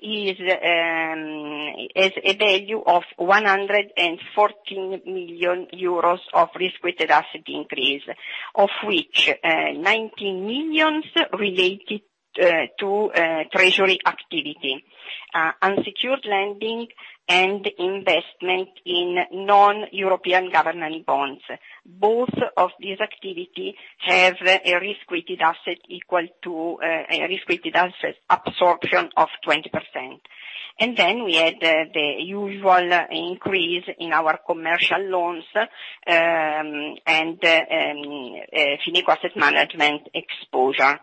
is a value of 114 million euros of risk-weighted asset increase, of which 19 million related to treasury activity. Unsecured lending and investment in non-European government bonds. Both of these activity have a risk-weighted asset absorption of 20%. We had the usual increase in our commercial loans, and Fineco Asset Management exposure.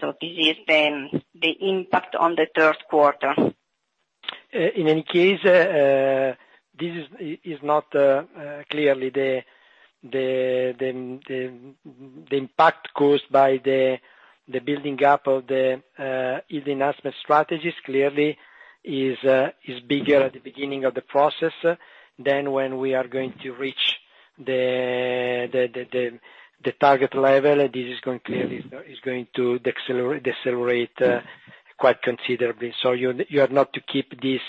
This is the impact on the third quarter. In any case, this is not clearly the impact caused by the building up of the enhancement strategies. It is bigger at the beginning of the process than when we are going to reach the target level. This is going to decelerate quite considerably. You are not to keep this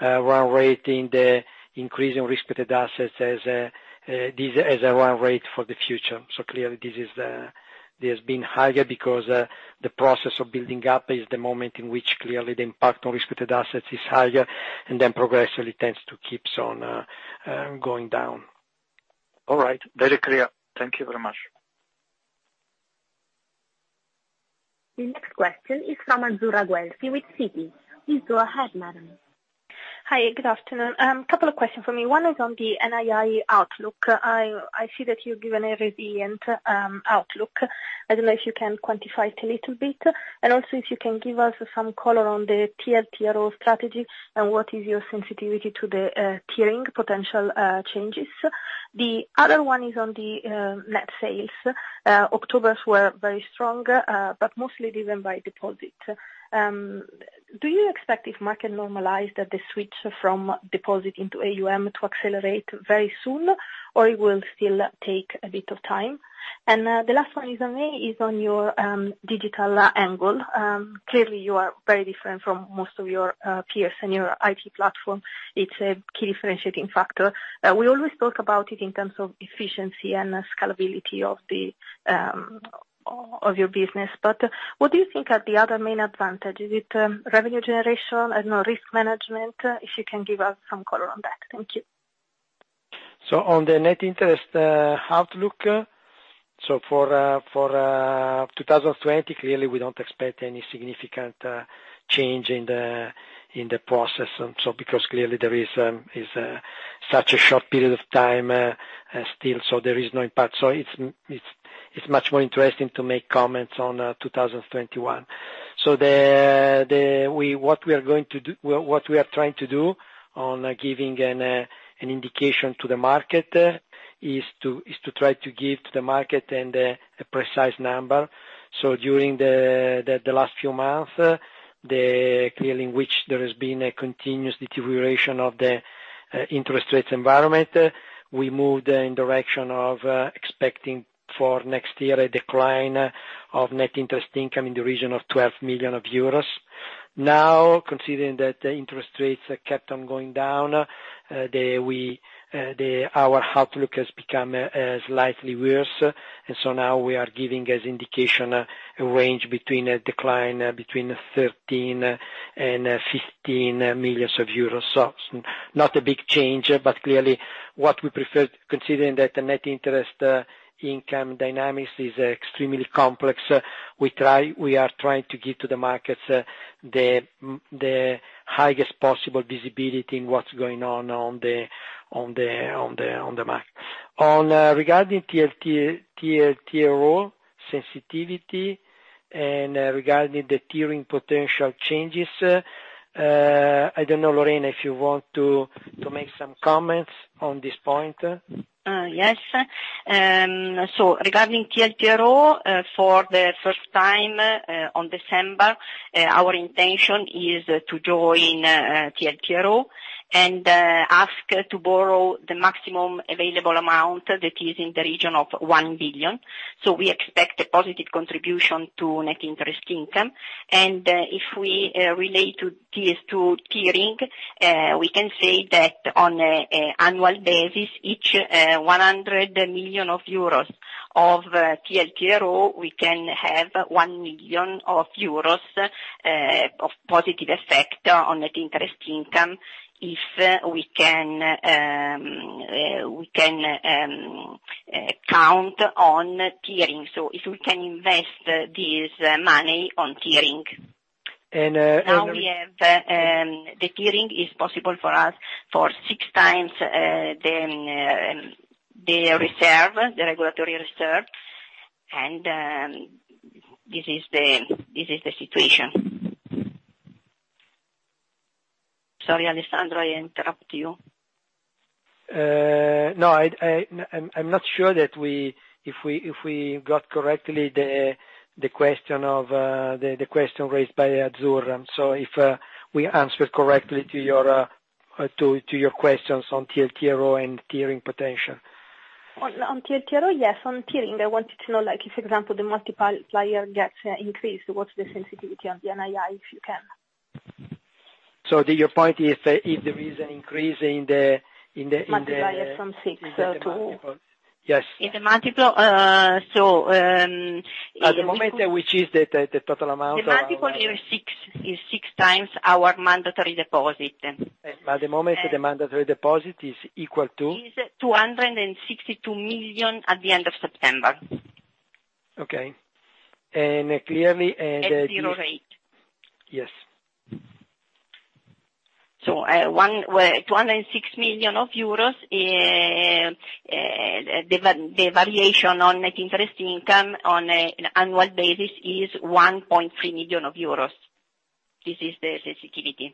run rate in the increase in risk-weighted assets as a run rate for the future. Clearly, this has been higher because the process of building up is the moment in which, clearly, the impact on risk-weighted assets is higher and then progressively tends to keep on going down. All right. Very clear. Thank you very much. The next question is from Azzurra Guelfi with Citi. Please go ahead, madam. Hi, good afternoon. A couple of questions from me. One is on the NII outlook. I see that you've given a resilient outlook. I don't know if you can quantify it a little bit, and also if you can give us some color on the TLTRO strategy and what is your sensitivity to the tiering potential changes. The other one is on the net sales. Octobers were very strong, but mostly driven by deposit. Do you expect, if market normalize, that the switch from deposit into AUM to accelerate very soon, or it will still take a bit of time? The last one is on your digital angle. Clearly, you are very different from most of your peers and your IT platform. It's a key differentiating factor. We always talk about it in terms of efficiency and scalability of your business. What do you think are the other main advantages? Is it revenue generation? I don't know, risk management? If you can give us some color on that. Thank you. On the net interest outlook. For 2020, clearly, we don't expect any significant change in the process, because clearly there is such a short period of time still, so there is no impact. It's much more interesting to make comments on 2021. What we are trying to do on giving an indication to the market is to try to give to the market a precise number. During the last few months, clearly in which there has been a continuous deterioration of the interest rates environment, we moved in direction of expecting for next year a decline of net interest income in the region of 12 million euros. Now, considering that the interest rates kept on going down, our outlook has become slightly worse. Now we are giving as indication a range between a decline between 13 million and 15 million euros. Not a big change, but clearly what we prefer, considering that the net interest income dynamics is extremely complex, we are trying to give to the markets the highest possible visibility in what's going on the market. Regarding TLTRO sensitivity and regarding the tiering potential changes, I don't know, Lorena, if you want to make some comments on this point. Yes. Regarding TLTRO, for the first time on December, our intention is to join TLTRO and ask to borrow the maximum available amount that is in the region of 1 billion. We expect a positive contribution to net interest income. If we relate to tiering, we can say that on a annual basis, each 100 million euros of TLTRO, we can have 1 million euros of positive effect on net interest income, if we can count on tiering. If we can invest this money on tiering. And- Now we have the tiering is possible for us for 6x the regulatory reserve. This is the situation. Sorry, Alessandro, I interrupt you. No, I'm not sure if we got correctly the question raised by Azzurra. If we answered correctly to your questions on TLTRO and tiering potential. On TLTRO, yes. On tiering, I wanted to know, if, example, the multiplier gets increased, what's the sensitivity on the NII, if you can? Your point is if there is an increase in the. Multiple from six. Yes. In the multiple. At the moment, which is the total amount. The multiple is six times our mandatory deposit. The moment the mandatory deposit is equal to? Is 262 million at the end of September. Okay. At zero rate. Yes. 206 million euros. The valuation on net interest income on an annual basis is 1.3 million euros. This is the sensitivity.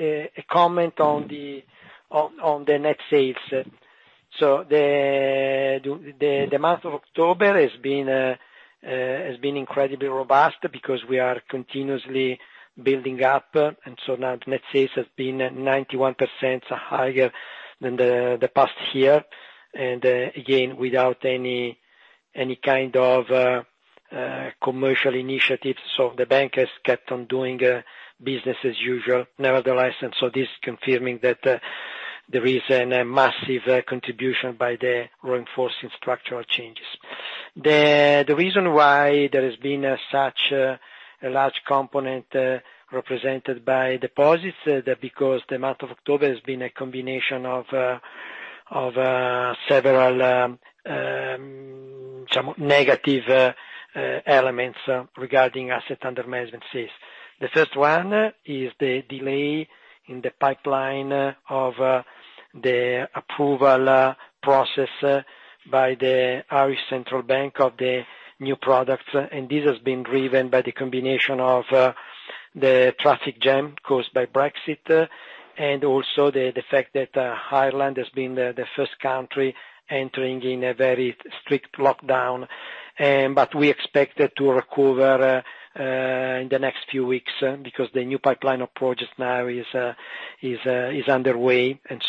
A comment on the net sales. The month of October has been incredibly robust because we are continuously building up, and so now net sales has been 91% higher than the past year. Again, without any kind of commercial initiatives, so the bank has kept on doing business as usual nevertheless. This is confirming that there is a massive contribution by the reinforcing structural changes. The reason why there has been such a large component represented by deposits, because the month of October has been a combination of several negative elements regarding asset under management sales. The first one is the delay in the pipeline of the approval process by the Central Bank of Ireland of the new products. This has been driven by the combination of the traffic jam caused by Brexit and also the fact that Ireland has been the first country entering in a very strict lockdown. We expect it to recover in the next few weeks because the new pipeline of projects now is underway. This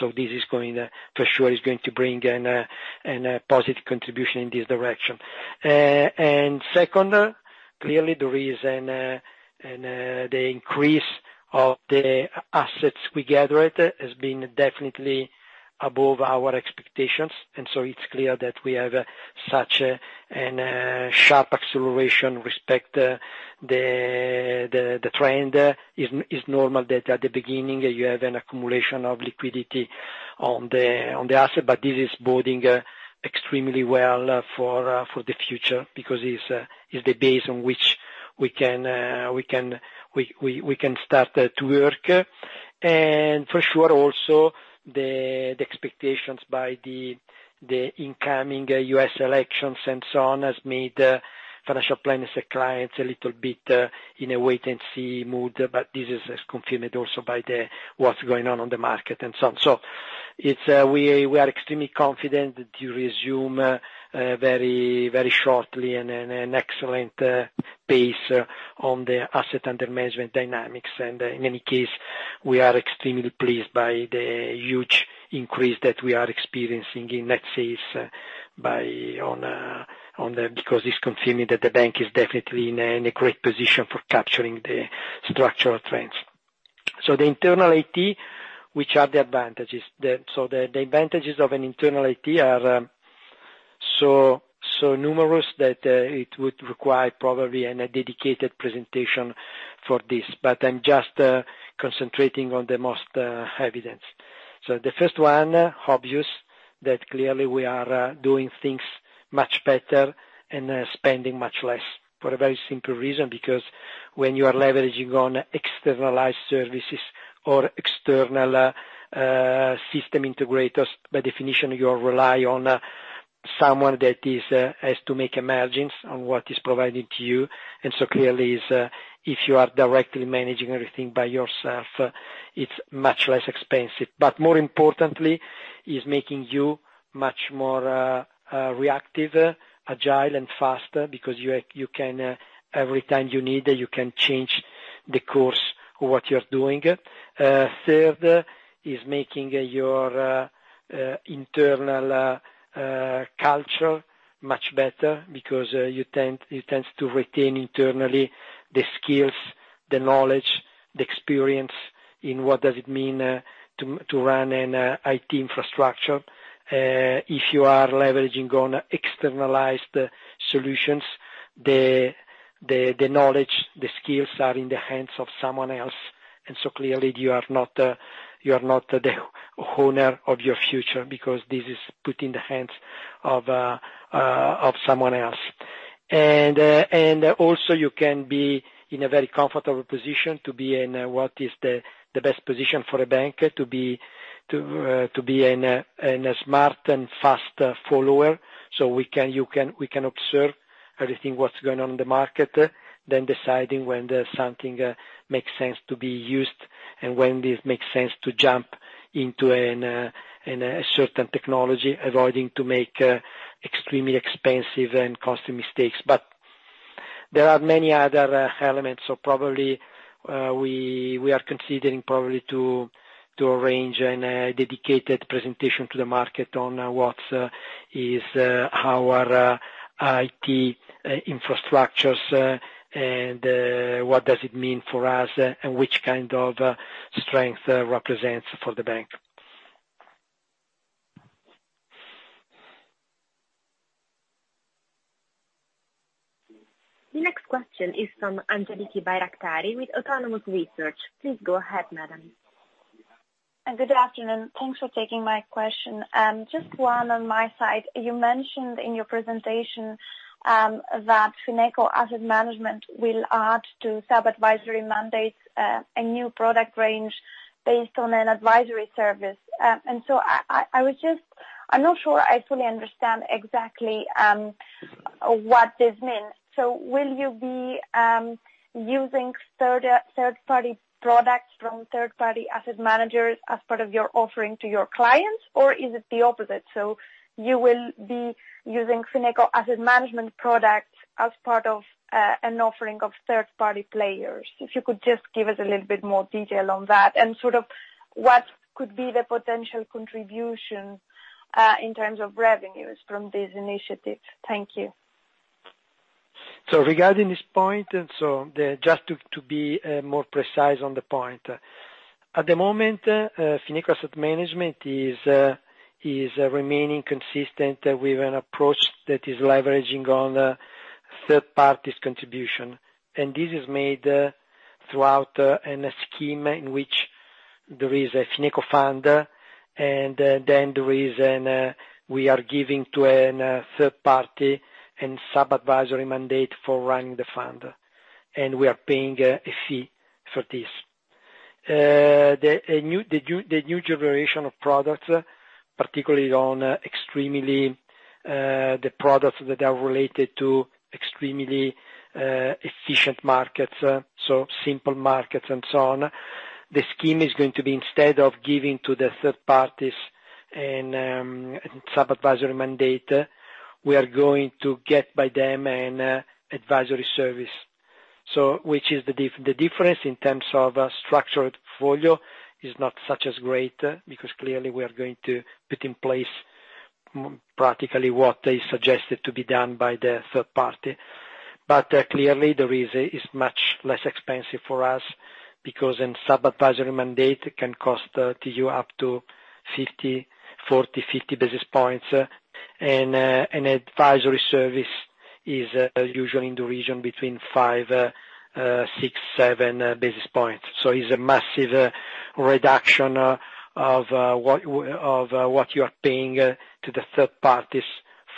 for sure is going to bring in a positive contribution in this direction. Second, clearly the increase of the assets we gathered has been definitely above our expectations. It's clear that we have such a sharp acceleration. The trend is normal that at the beginning you have an accumulation of liquidity on the asset, This is boding extremely well for the future because it's the base on which we can start to work. For sure, also, the expectations by the incoming U.S. elections and so on has made financial planners and clients a little bit in a wait-and-see mood. This is confirmed also by what's going on on the market and so on. We are extremely confident to resume very shortly in an excellent pace on the asset under management dynamics. In any case, we are extremely pleased by the huge increase that we are experiencing in net sales, because it's confirming that the bank is definitely in a great position for capturing the structural trends. The internal IT, which are the advantages? The advantages of an internal IT are so numerous that it would require probably a dedicated presentation for this. I'm just concentrating on the most evident. The first one, obvious, that clearly we are doing things much better and spending much less, for a very simple reason, because when you are leveraging on externalized services or external system integrators, by definition, you rely on someone that has to make a margin on what is provided to you. Clearly, if you are directly managing everything by yourself, it's much less expensive. More importantly, it's making you much more reactive, agile, and faster because every time you need, you can change the course of what you're doing. Third, it's making your internal culture much better because it tends to retain internally the skills, the knowledge, the experience in what does it mean to run an IT infrastructure. If you are leveraging on externalized solutions, the knowledge, the skills are in the hands of someone else. Clearly you are not the owner of your future because this is put in the hands of someone else. Also you can be in a very comfortable position to be in what is the best position for a bank, to be a smart and fast follower. We can observe everything that's going on in the market, then deciding when something makes sense to be used and when it makes sense to jump into a certain technology, avoiding to make extremely expensive and costly mistakes. There are many other elements. Probably, we are considering probably to arrange a dedicated presentation to the market on what is our IT infrastructures and what does it mean for us, and which kind of strength represents for the bank. The next question is from Angeliki Bairaktari with Autonomous Research. Please go ahead, madam. Good afternoon. Thanks for taking my question. Just one on my side. You mentioned in your presentation that Fineco Asset Management will add to sub-advisory mandates, a new product range based on an advisory service. I'm not sure I fully understand exactly what this means. Will you be using third-party products from third-party asset managers as part of your offering to your clients, or is it the opposite? You will be using Fineco Asset Management products as part of an offering of third-party players? If you could just give us a little bit more detail on that, and what could be the potential contribution in terms of revenues from this initiative? Thank you. Regarding this point, just to be more precise on the point. At the moment, Fineco Asset Management is remaining consistent with an approach that is leveraging on third parties' contribution. This is made throughout a scheme in which there is a Fineco fund, we are giving to a third party a sub-advisory mandate for running the fund, and we are paying a fee for this. The new generation of products, particularly the products that are related to extremely efficient markets, so simple markets and so on, the scheme is going to be instead of giving to the third parties a sub-advisory mandate, we are going to get by them an advisory service. The difference in terms of a structured portfolio is not such great, because clearly we are going to put in place practically what is suggested to be done by the third party. Clearly it's much less expensive for us, because a sub-advisory mandate can cost up to 40, 50 basis points. An advisory service is usually in the region between five, six, seven basis points. It's a massive reduction of what you are paying to the third parties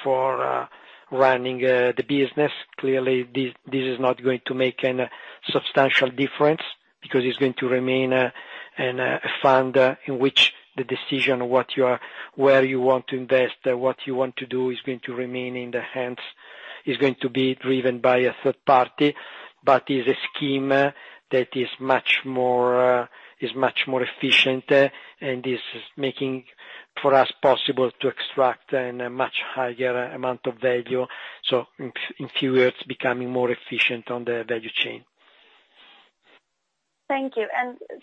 for running the business. Clearly, this is not going to make any substantial difference, because it's going to remain a fund in which the decision of where you want to invest, what you want to do, is going to be driven by a third party. Is a scheme that is much more efficient, and is making for us possible to extract a much higher amount of value. In theory, it's becoming more efficient on the value chain. Thank you.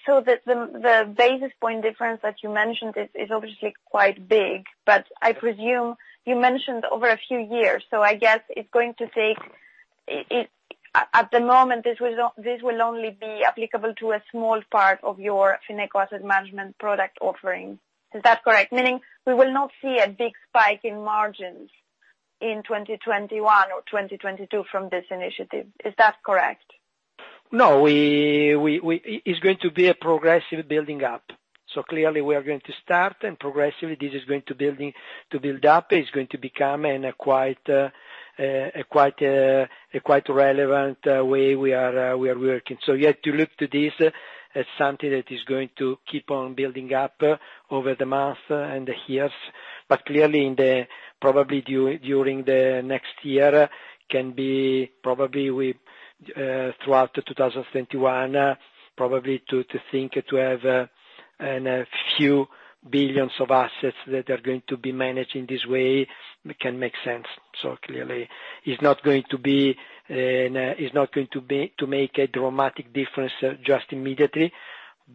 The basis point difference that you mentioned is obviously quite big, but I presume you mentioned over a few years. I guess at the moment, this will only be applicable to a small part of your Fineco Asset Management product offering. Is that correct? Meaning we will not see a big spike in margins in 2021 or 2022 from this initiative. Is that correct? No. It's going to be a progressive building up. Clearly we are going to start, and progressively, this is going to build up. It's going to become a quite relevant way we are working. You have to look to this as something that is going to keep on building up over the months and the years. Clearly, probably during the next year, throughout 2021, probably to think to have a few billions of assets that are going to be managed in this way can make sense. Clearly it's not going to make a dramatic difference just immediately,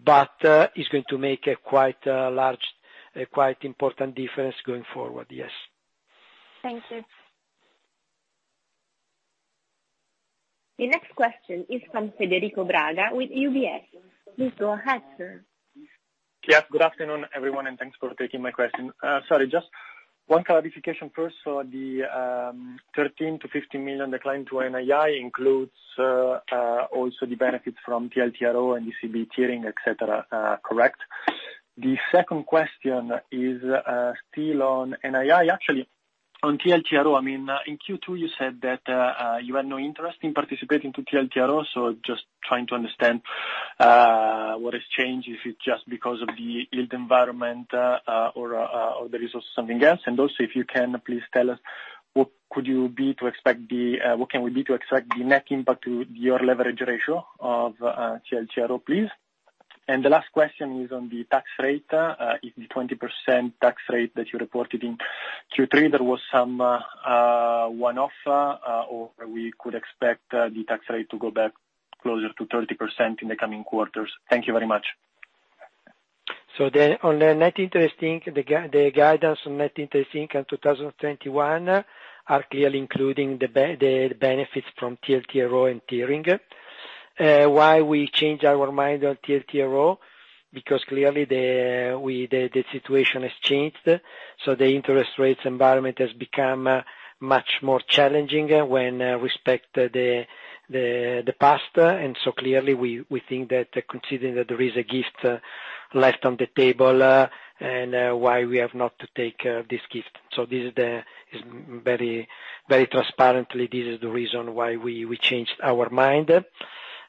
but it's going to make a quite important difference going forward, yes. Thank you. The next question is from Federico Braga with UBS. Please go ahead, sir. Yes. Good afternoon, everyone, and thanks for taking my question. Sorry, just one clarification first. The 13 million-15 million decline to NII includes also the benefits from TLTRO and ECB tiering, et cetera, correct? The second question is still on NII. Actually, on TLTRO, in Q2, you said that you had no interest in participating to TLTRO. Just trying to understand what has changed. Is it just because of the yield environment or there is also something else? Also, if you can please tell us what can we do to extract the net impact to your leverage ratio of TLTRO, please. The last question is on the tax rate. If the 20% tax rate that you reported in Q3, there was some one-off, or we could expect the tax rate to go back closer to 30% in the coming quarters. Thank you very much. On the guidance on net interest, I think in 2021 are clearly including the benefits from TLTRO and tiering. We changed our mind on TLTRO, because clearly the situation has changed. The interest rates environment has become much more challenging when respect the past. Clearly, we think that considering that there is a gift left on the table, and why we have not to take this gift. Very transparently, this is the reason why we changed our mind.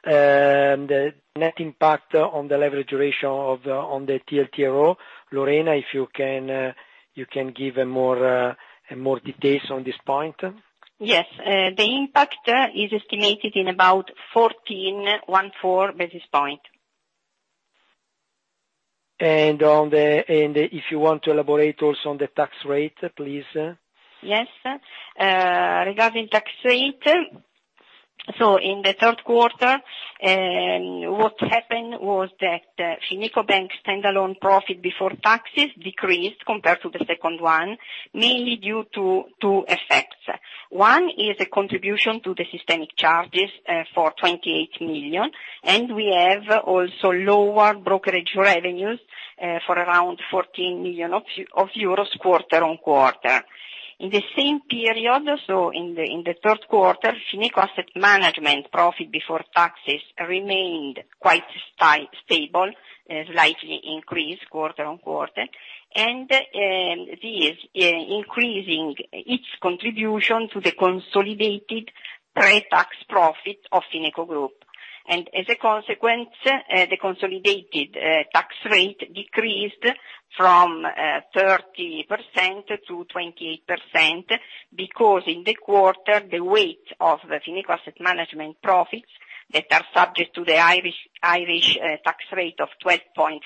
The net impact on the leverage ratio on the TLTRO. Lorena, if you can give more details on this point. Yes. The impact is estimated in about 14 basis point. If you want to elaborate also on the tax rate, please. Yes. Regarding tax rate, in the third quarter, what happened was that FinecoBank standalone profit before taxes decreased compared to the second one, mainly due to two effects. One is a contribution to the systemic charges for 28 million. We have also lower brokerage revenues for around 14 million euros, quarter-on-quarter. In the same period, in the third quarter, Fineco Asset Management profit before taxes remained quite stable, slightly increased quarter-on-quarter. This increasing its contribution to the consolidated pre-tax profit of Fineco Group. As a consequence, the consolidated tax rate decreased from 30% to 28% because in the quarter, the weight of the Fineco Asset Management profits that are subject to the Irish tax rate of 12.5%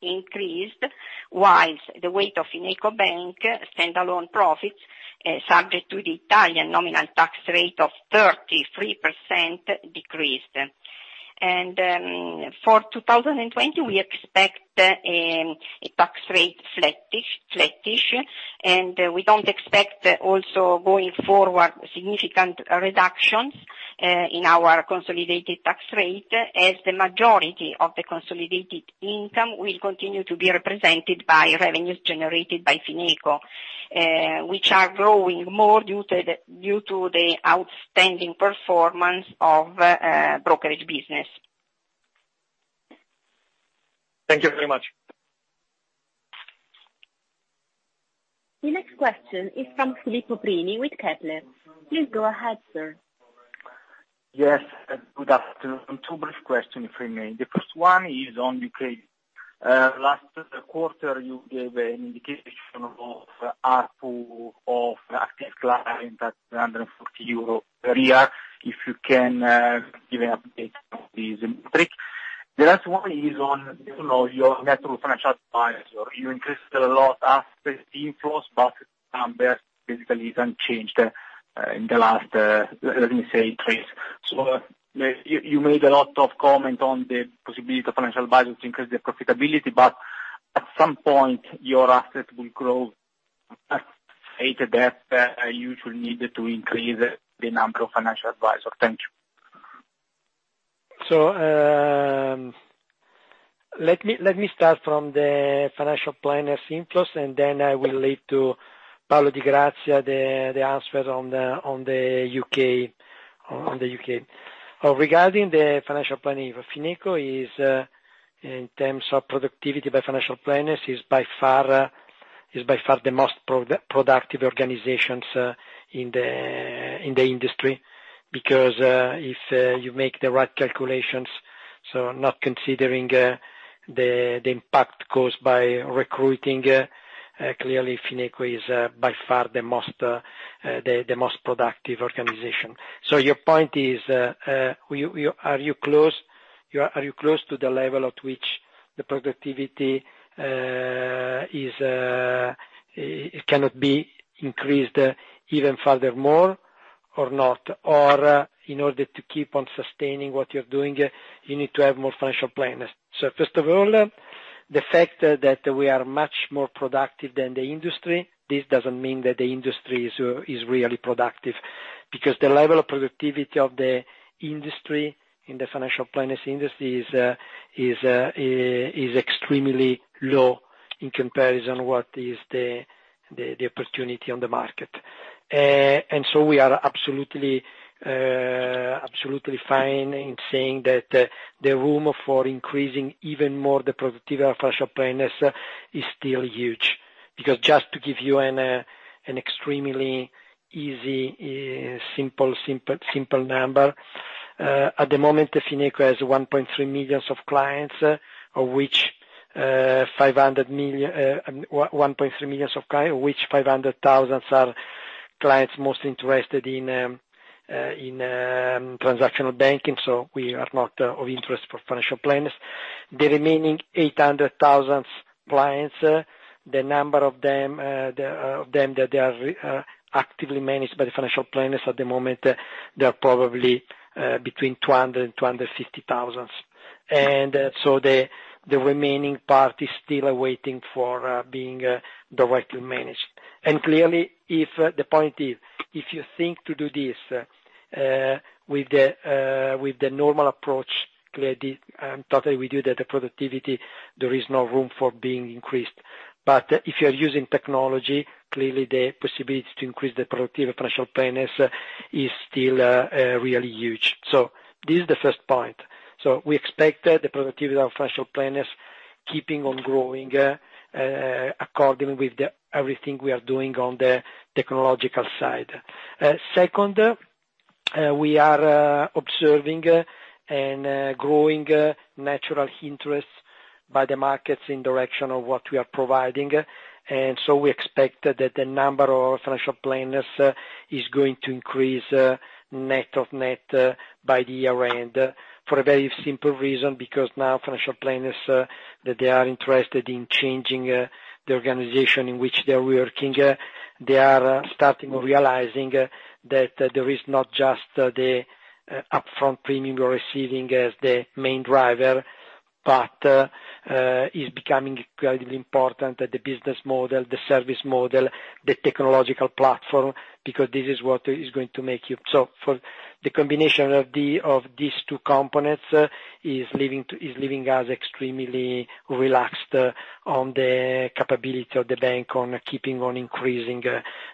increased, whilst the weight of FinecoBank standalone profits subject to the Italian nominal tax rate of 33% decreased. For 2020, we expect a tax rate flattish. We don't expect also going forward, significant reductions in our consolidated tax rate as the majority of the consolidated income will continue to be represented by revenues generated by Fineco, which are growing more due to the outstanding performance of brokerage business. Thank you very much. The next question is from Filippo Prini with Kepler. Please go ahead, sir. Yes. Good afternoon. Two brief questions for me. The first one is on the U.K. Last quarter, you gave an indication of ARPU of active client at [140 euro] per year. If you can give an update on this metric. The last one is on your network of financial advisors. You increased a lot asset inflows, numbers basically is unchanged in the last, let me say, trace. You made a lot of comment on the possibility of financial advisors to increase the profitability, but at some point, your asset will grow at a rate that you should need to increase the number of financial advisor. Thank you. Let me start from the financial planners inflows, and then I will leave to Paolo Di Grazia the answer on the U.K. Regarding the financial planning for Fineco is in terms of productivity by financial planners, is by far the most productive organizations in the industry because if you make the right calculations, not considering the impact caused by recruiting, clearly Fineco is by far the most productive organization. Your point is, are you close to the level at which the productivity cannot be increased even furthermore or not? In order to keep on sustaining what you're doing, you need to have more financial planners. First of all, the fact that we are much more productive than the industry, this doesn't mean that the industry is really productive. The level of productivity of the industry, in the financial planners industry, is extremely low in comparison what is the opportunity on the market. We are absolutely fine in saying that the room for increasing even more the productivity of our financial planners is still huge. Just to give you an extremely easy, simple number. At the moment, Fineco has 1.3 million clients, of which 500,000 are clients most interested in transactional banking, so we are not of interest for financial planners. The remaining 800,000 clients, the number of them that they are actively managed by the financial planners at the moment, they're probably between 200,000 and 250,000. The remaining part is still waiting for being directly managed. Clearly if the point is, if you think to do this with the normal approach, clearly, totally, we doubt that the productivity, there is no room for being increased. If you're using technology, clearly the possibility to increase the productivity of financial planners is still really huge. This is the first point. We expect the productivity of financial planners keeping on growing according with everything we are doing on the technological side. Second, we are observing a growing natural interest by the markets in direction of what we are providing. We expect that the number of financial planners is going to increase net of net by the year-end. For a very simple reason, because now financial planners that they are interested in changing the organization in which they are working. They are starting realizing that there is not just the upfront premium you're receiving as the main driver, but it's becoming incredibly important that the business model, the service model, the technological platform, because this is what is going to make you. For the combination of these two components is leaving us extremely relaxed on the capability of the bank, on keeping on increasing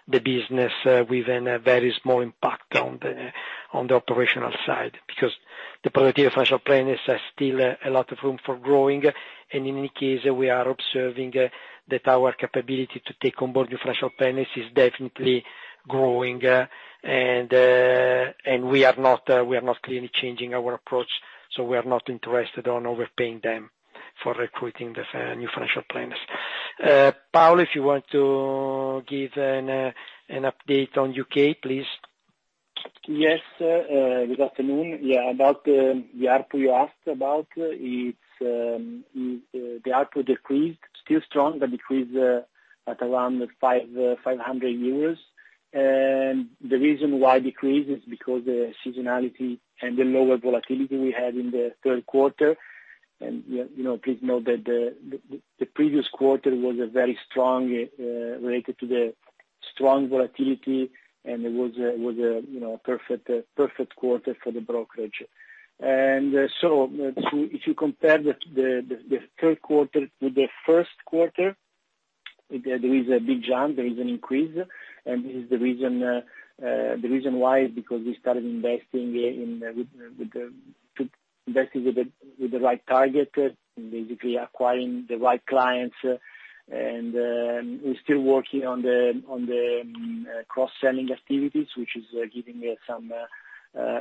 the business within a very small impact on the operational side. Because the productivity of financial planners has still a lot of room for growing. In any case, we are observing that our capability to take on board new financial planners is definitely growing. We are not clearly changing our approach, so we are not interested on overpaying them for recruiting the new financial planners. Paolo, if you want to give an update on U.K., please. Yes. Good afternoon. Yeah, about the ARPU you asked about, the ARPU decreased. Still strong, decreased at around 500 euros. The reason why decreased is because the seasonality and the lower volatility we had in the third quarter. Please note that the previous quarter was very strong related to the strong volatility, and it was a perfect quarter for the brokerage. If you compare the third quarter with the first quarter, there is a big jump. There is an increase. The reason why is because we started investing with the right target, basically acquiring the right clients. We're still working on the cross-selling activities, which is giving us some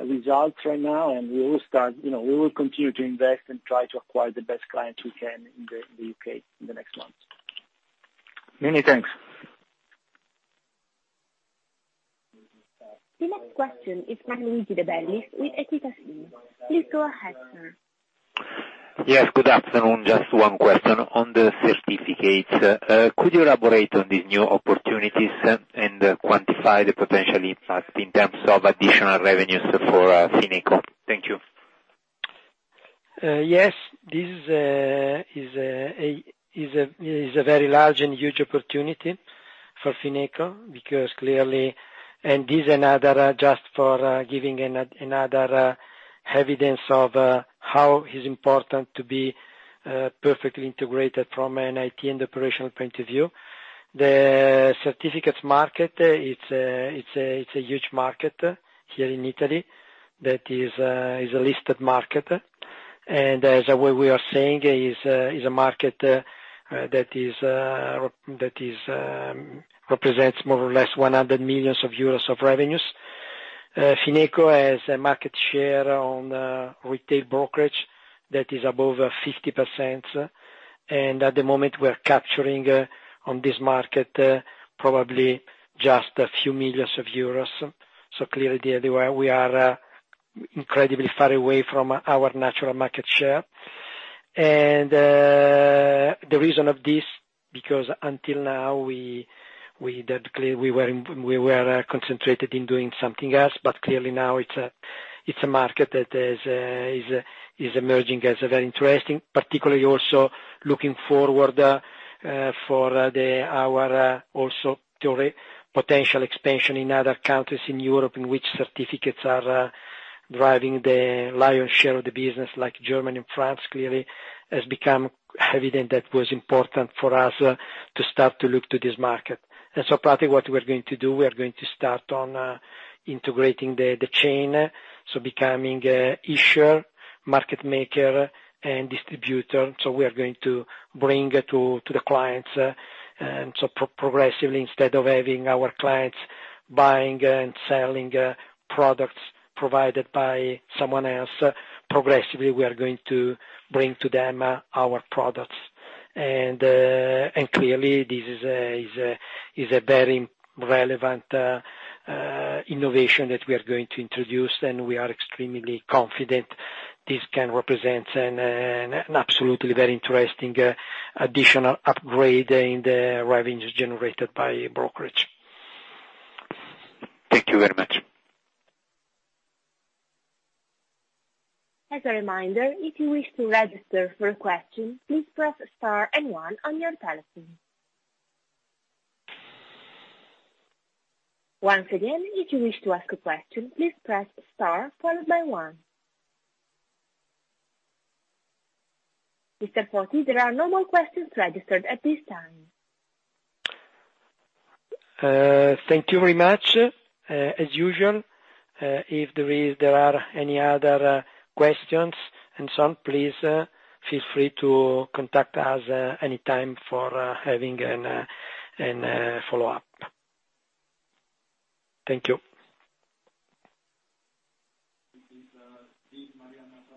results right now. We will continue to invest and try to acquire the best clients we can in the U.K. in the next months. Many thanks. The next question is from Luigi de Bellis with Equita SIM. Please go ahead, sir. Yes, good afternoon. Just one question on the certificates. Could you elaborate on these new opportunities and quantify the potential impact in terms of additional revenues for Fineco? Thank you. Yes. This is a very large and huge opportunity for Fineco, because clearly. This another just for giving another evidence of how is important to be perfectly integrated from an IT and operational point of view. The certificates market, it's a huge market here in Italy that is a listed market. As we are saying, is a market that represents more or less 100 million euros of revenues. Fineco has a market share on retail brokerage that is above 50%. At the moment, we are capturing on this market probably just a few million Euro. Clearly, we are incredibly far away from our natural market share. The reason of this, because until now, we were concentrated in doing something else. Clearly now it's a market that is emerging as very interesting. Particularly also, looking forward for our also potential expansion in other countries in Europe in which certificates are driving the lion's share of the business, like Germany and France. Clearly, has become evident that was important for us to start to look to this market. Practically what we are going to do, we are going to start on integrating the chain, so becoming a issuer, market maker, and distributor. We are going to bring to the clients. Progressively, instead of having our clients buying and selling products provided by someone else, progressively, we are going to bring to them our products. Clearly, this is a very relevant innovation that we are going to introduce, and we are extremely confident this can represent an absolutely very interesting additional upgrade in the revenues generated by brokerage. Thank you very much. Mr. Foti, there are no more questions registered at this time. Thank you very much. As usual, if there are any other questions and so on, please feel free to contact us anytime for having a follow-up. Thank you.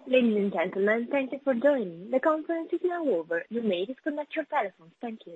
Ladies and gentlemen, thank you for joining. The conference is now over. You may disconnect your telephones. Thank you.